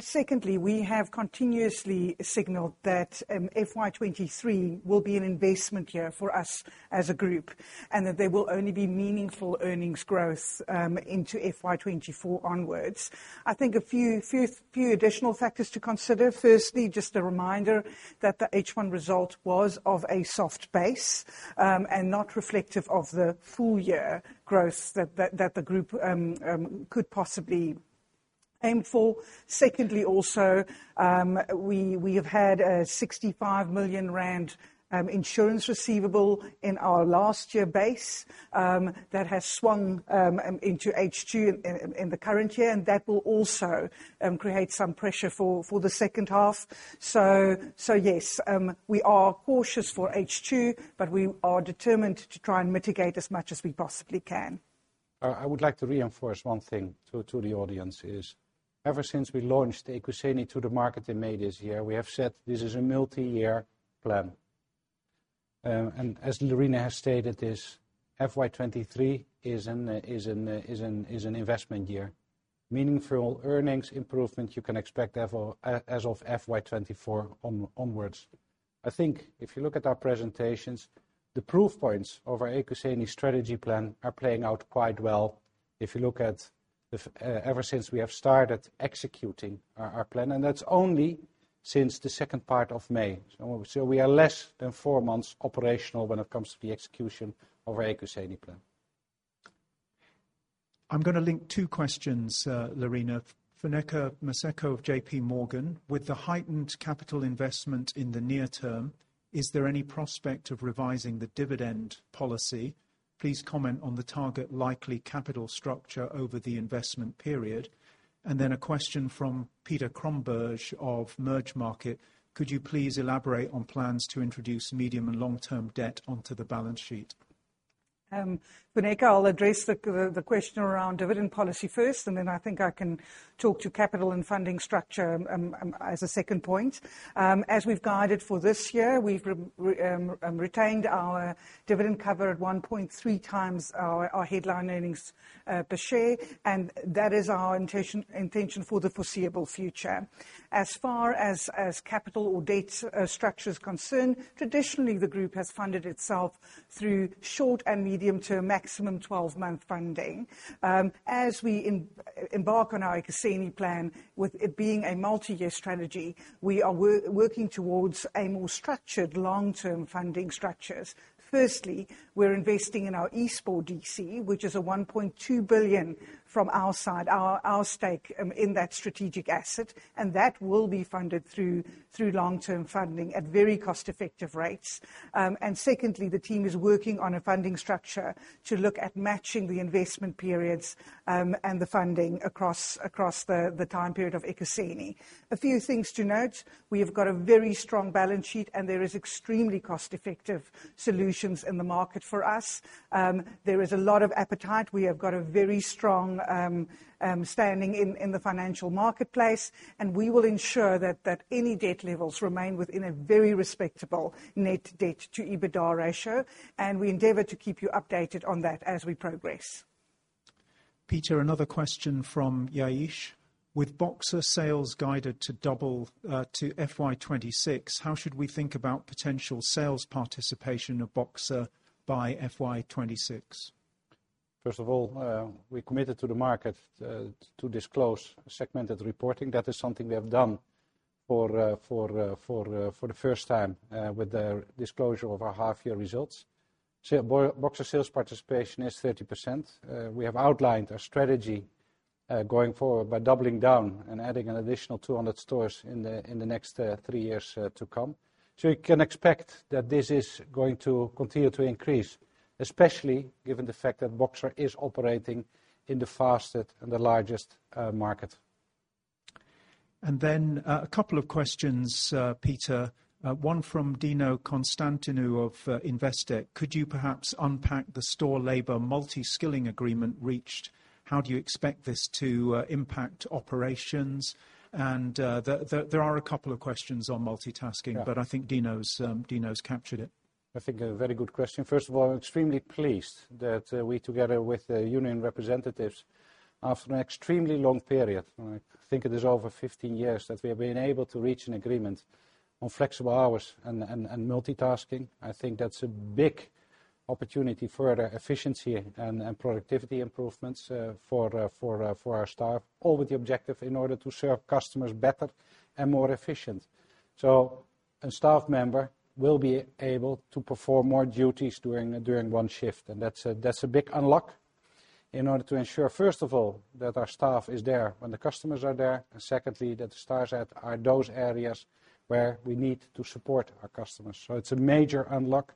Secondly, we have continuously signaled that, FY23 will be an investment year for us as a group, and that there will only be meaningful earnings growth, into FY24 onwards. I think a few additional factors to consider. Firstly, just a reminder that the H1 result was of a soft base, and not reflective of the full year growth that the group could possibly aim for. Secondly, also, we have had a 65 million rand insurance receivable in our last year base that has swung into H2 in the current year, and that will also create some pressure for the second half. Yes, we are cautious for H2, but we are determined to try and mitigate as much as we possibly can. I would like to reinforce one thing to the audience is, ever since we launched Ekuseni to the market in May this year, we have said this is a multi-year plan. As Lerena has stated, this FY23 is an investment year. Meaningful earnings improvement you can expect of, as of FY24 onwards. I think if you look at our presentations, the proof points of our Ekuseni strategy plan are playing out quite well. If you look at the ever since we have started executing our plan, and that's only since the second part of May. We are less than four months operational when it comes to the execution of our Ekuseni plan. I'm gonna link two questions, Lerena. Funeka Moseko of JP Morgan: With the heightened capital investment in the near term, is there any prospect of revising the dividend policy? Please comment on the target likely capital structure over the investment period. And then a question from Peter Cromberge of Mergermarket: Could you please elaborate on plans to introduce medium and long-term debt onto the balance sheet? Funeka Beja-Maseko, I'll address the question around dividend policy first, and then I think I can talk to capital and funding structure as a second point. As we've guided for this year, we've retained our dividend cover at 1.3 times our headline earnings per share, and that is our intention for the foreseeable future. As far as capital or debt structure is concerned, traditionally the group has funded itself through short and medium to a maximum 12-month funding. As we embark on our Ekuseni plan, with it being a multi-year strategy, we are working towards a more structured long-term funding structures. Firstly, we're investing in our Eastport DC, which is 1.2 billion from our side, our stake in that strategic asset, and that will be funded through long-term funding at very cost-effective rates. Secondly, the team is working on a funding structure to look at matching the investment periods, and the funding across the time period of Ekuseni. A few things to note. We have got a very strong balance sheet, and there is extremely cost-effective solutions in the market for us. There is a lot of appetite. We have got a very strong standing in the financial marketplace, and we will ensure that any debt levels remain within a very respectable net debt to EBITDA ratio, and we endeavor to keep you updated on that as we progress. Pieter, another question from Yashir. With Boxer sales guided to double, to FY 2026, how should we think about potential sales participation of Boxer by F2026? First of all, we committed to the market to disclose segmented reporting. That is something we have done for the first time with the disclosure of our half-year results. Boxer sales participation is 30%. We have outlined our strategy going forward by doubling down and adding an additional 200 stores in the next 3 years to come. You can expect that this is going to continue to increase, especially given the fact that Boxer is operating in the fastest and the largest market. Then, a couple of questions, Peter, one from Dino Constantinou of Investec. Could you perhaps unpack the store labor multi-skilling agreement reached? How do you expect this to impact operations? There are a couple of questions on multitasking. Yeah. I think Dino's captured it. I think a very good question. First of all, extremely pleased that we together with the union representatives, after an extremely long period, and I think it is over 15 years, that we have been able to reach an agreement on flexible hours and multitasking. I think that's a big opportunity for the efficiency and productivity improvements for our staff, all with the objective in order to serve customers better and more efficient. A staff member will be able to perform more duties during one shift, and that's a big unlock in order to ensure, first of all, that our staff is there when the customers are there. Secondly, that the staff are at those areas where we need to support our customers. It's a major unlock.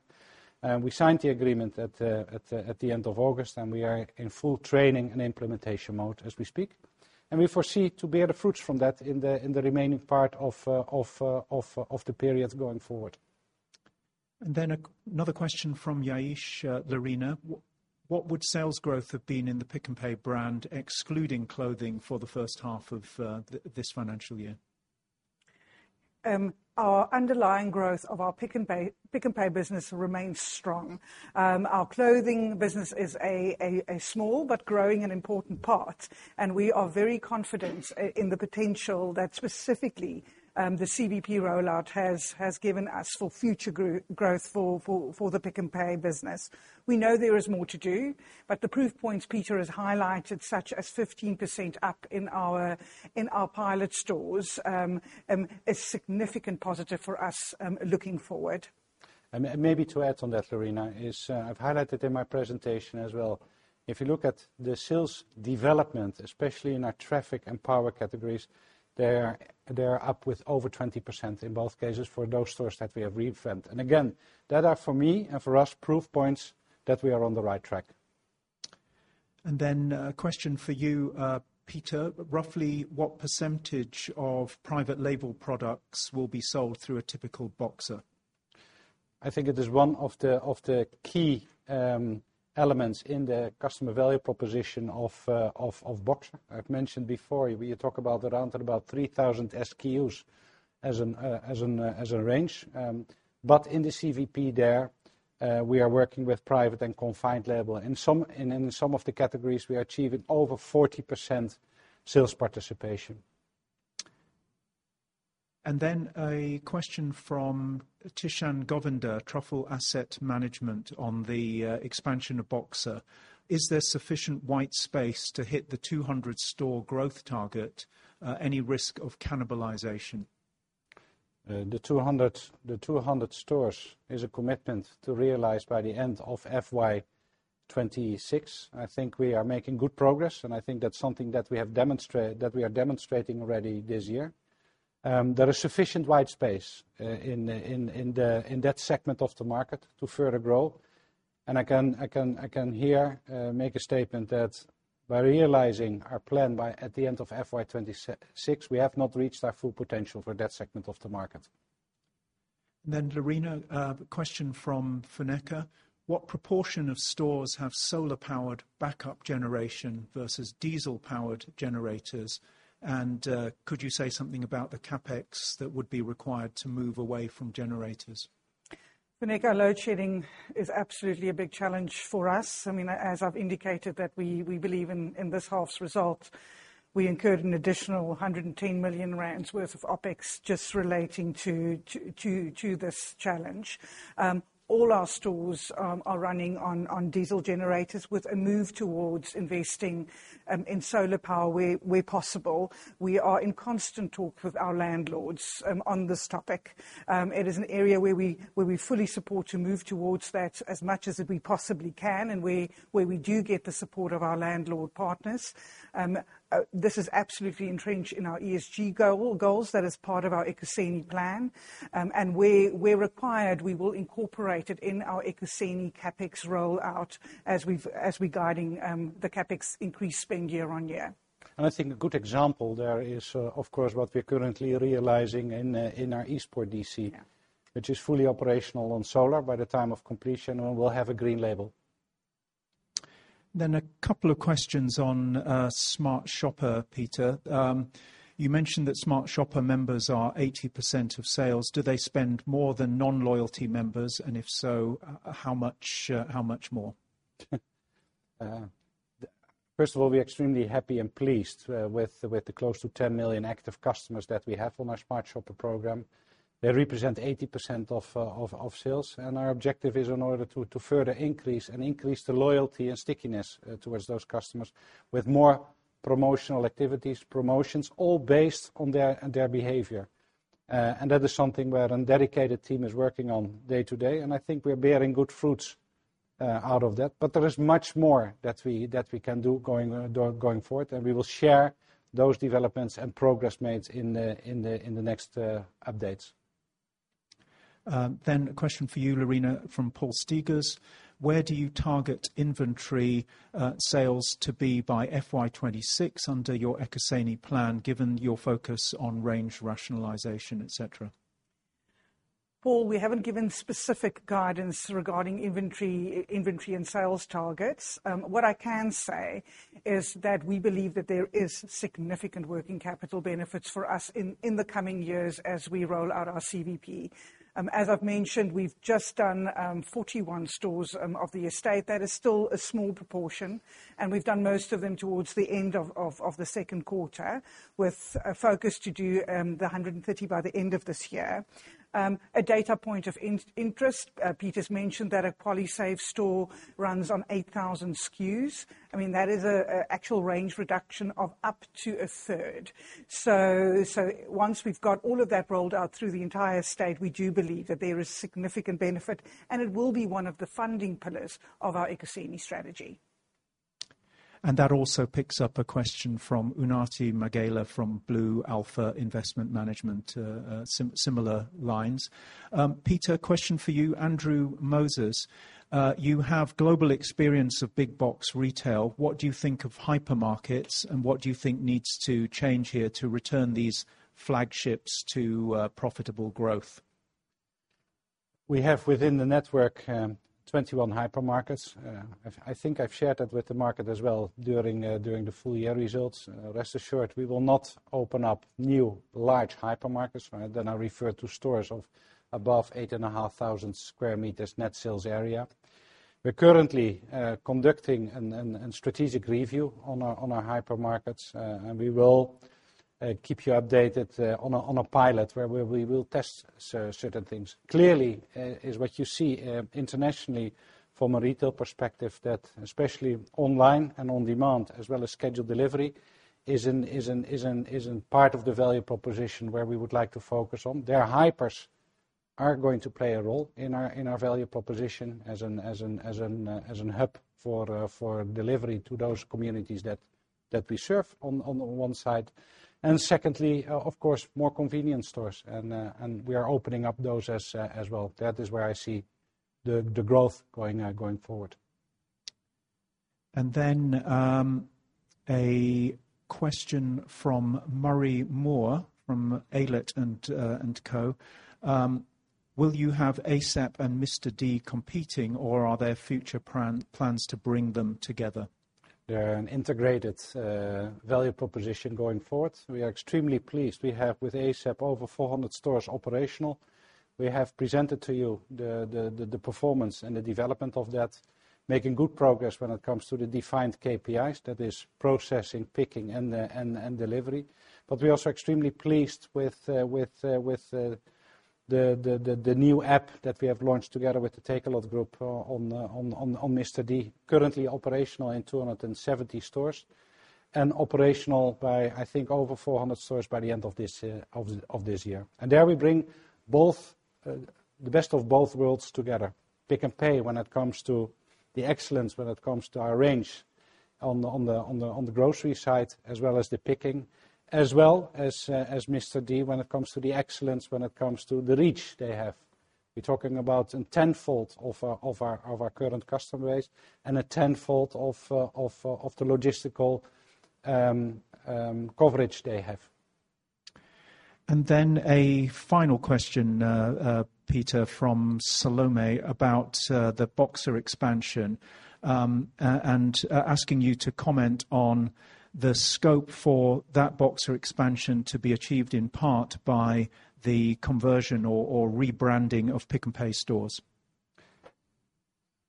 We signed the agreement at the end of August, and we are in full training and implementation mode as we speak. We foresee to bear the fruits from that in the remaining part of the periods going forward. Another question from Yashir, Lerena. What would sales growth have been in the Pick n Pay brand, excluding clothing, for the first half of this financial year? Our underlying growth of our Pick n Pay business remains strong. Our clothing business is a small but growing and important part, and we are very confident in the potential that specifically the CVP rollout has given us for future growth for the Pick n Pay business. We know there is more to do, but the proof points Pieter has highlighted, such as 15% up in our pilot stores, a significant positive for us, looking forward. Maybe to add on that, Lerena, I've highlighted in my presentation as well. If you look at the sales development, especially in our traffic and basket categories, they're up with over 20% in both cases for those stores that we have reinvent. Again, those are for me and for us proof points that we are on the right track. A question for you, Peter. Roughly what percentage of private label products will be sold through a typical Boxer? I think it is one of the key elements in the customer value proposition of Boxer. I've mentioned before, we talk about around about 3,000 SKUs as a range. In the CVP there, we are working with private and confined label. In some of the categories, we are achieving over 40% sales participation. A question from Thishan Govender, Truffle Asset Management, on the expansion of Boxer. Is there sufficient white space to hit the 200-store growth target? Any risk of cannibalization? The 200 stores is a commitment to realize by the end of FY26. I think we are making good progress, and I think that's something that we are demonstrating already this year. There is sufficient white space in that segment of the market to further grow. I can here make a statement that by realizing our plan by the end of FY26, we have not reached our full potential for that segment of the market. Lerena Olivier, question from Funeka Beja-Maseko, "What proportion of stores have solar powered backup generation versus diesel powered generators? And, could you say something about the CapEx that would be required to move away from generators? Funeka, load shedding is absolutely a big challenge for us. I mean, as I've indicated, that we believe in this half's result, we incurred an additional 110 million rand worth of OpEx just relating to this challenge. All our stores are running on diesel generators with a move towards investing in solar power where possible. We are in constant talks with our landlords on this topic. It is an area where we fully support to move towards that as much as we possibly can, and where we do get the support of our landlord partners. This is absolutely entrenched in our ESG goals. That is part of our Ekuseni plan. Where required, we will incorporate it in our Ekuseni CapEx rollout as we guiding the CapEx increase spend year on year. I think a good example there is, of course, what we're currently realizing in our Eastport DC. Yeah. Which is fully operational on solar by the time of completion, and will have a green label. A couple of questions on Smart Shopper, Pieter. You mentioned that Smart Shopper members are 80% of sales. Do they spend more than non-loyalty members? And if so, how much more? First of all, we're extremely happy and pleased with the close to 10 million active customers that we have on our Smart Shopper program. They represent 80% of sales. Our objective is in order to further increase the loyalty and stickiness towards those customers with more promotional activities, promotions, all based on their behavior. That is something where a dedicated team is working on day to day, and I think we're bearing good fruits out of that. There is much more that we can do going forward. We will share those developments and progress made in the next updates. A question for you, Lerena Olivier, from Paul Stigers. Where do you target inventory sales to be by FY26 under your Ekuseni plan, given your focus on range rationalization, et cetera? Paul, we haven't given specific guidance regarding inventory and sales targets. What I can say is that we believe that there is significant working capital benefits for us in the coming years as we roll out our CVP. As I've mentioned, we've just done 41 stores of the estate. That is still a small proportion, and we've done most of them towards the end of the second quarter, with a focus to do the 150 by the end of this year. A data point of interest, Pieter's mentioned that a QualiSave store runs on 8,000 SKUs. I mean, that is an actual range reduction of up to a third. Once we've got all of that rolled out through the entire estate, we do believe that there is significant benefit, and it will be one of the funding pillars of our Ekuseni strategy. That also picks up a question from Unathi Magela from BlueAlpha Investment Management, similar lines. Pieter, question for you. Andrew Moses, you have global experience of big box retail. What do you think of hypermarkets, and what do you think needs to change here to return these flagships to profitable growth? We have within the network, 21 hypermarkets. I think I've shared that with the market as well during the full year results. Rest assured, we will not open up new large hypermarkets, right? I refer to stores of above 8,500 square meters net sales area. We're currently conducting a strategic review on our hypermarkets. We will keep you updated on a pilot where we will test certain things. Clearly, what you see internationally from a retail perspective, that especially online and on demand as well as scheduled delivery is a part of the value proposition where we would like to focus on. Their hypers are going to play a role in our value proposition as an hub for delivery to those communities that we serve on the one side. Secondly, of course, more convenience stores, and we are opening up those as well. That is where I see the growth going forward. A question from Murray Moore from Alet and Co. Will you have ASAP and Mr. D competing, or are there future plans to bring them together? They're an integrated value proposition going forward. We are extremely pleased. We have with ASAP over 400 stores operational. We have presented to you the performance and the development of that, making good progress when it comes to the defined KPIs. That is processing, picking and delivery. But we're also extremely pleased with the new app that we have launched together with the Takealot Group on Mr D, currently operational in 270 stores, and operational by, I think, over 400 stores by the end of this year. There we bring both the best of both worlds together. Pick n Pay when it comes to the excellence, when it comes to our range on the grocery side, as well as Pick n Pay, as well as Mr D when it comes to the excellence, when it comes to the reach they have. We're talking about a tenfold of our current customer base and a tenfold of the logistical coverage they have. A final question, Pieter, from Salome about the Boxer expansion. And asking you to comment on the scope for that Boxer expansion to be achieved in part by the conversion or rebranding of Pick n Pay stores.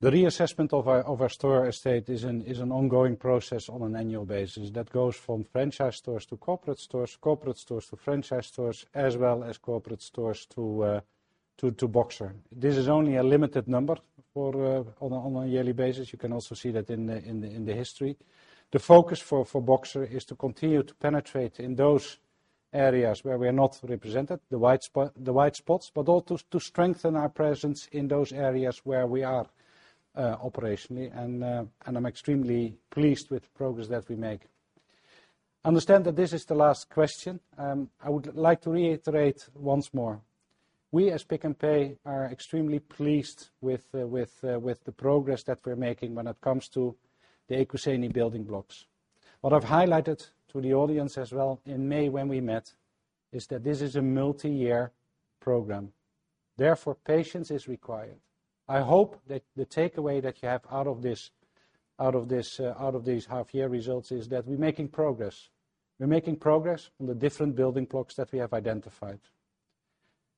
The reassessment of our store estate is an ongoing process on an annual basis that goes from franchise stores to corporate stores, corporate stores to franchise stores, as well as corporate stores to Boxer. This is only a limited number for on a yearly basis. You can also see that in the history. The focus for Boxer is to continue to penetrate in those areas where we are not represented, the white spots, but also to strengthen our presence in those areas where we are operationally. I'm extremely pleased with the progress that we make. Understand that this is the last question. I would like to reiterate once more, we as Pick n Pay are extremely pleased with the progress that we're making when it comes to the Ekuseni building blocks. What I've highlighted to the audience as well in May when we met is that this is a multiyear program, therefore patience is required. I hope that the takeaway that you have out of these half year results is that we're making progress. We're making progress on the different building blocks that we have identified.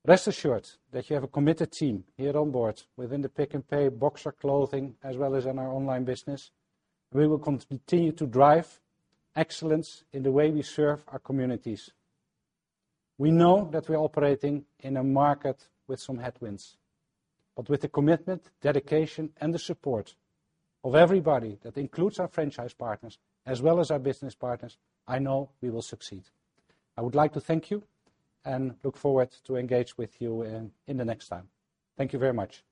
Rest assured that you have a committed team here on board within the Pick n Pay, Boxer, clothing, as well as in our online business. We will continue to drive excellence in the way we serve our communities. We know that we are operating in a market with some headwinds, but with the commitment, dedication, and the support of everybody, that includes our franchise partners as well as our business partners, I know we will succeed. I would like to thank you and look forward to engage with you in the next time. Thank you very much.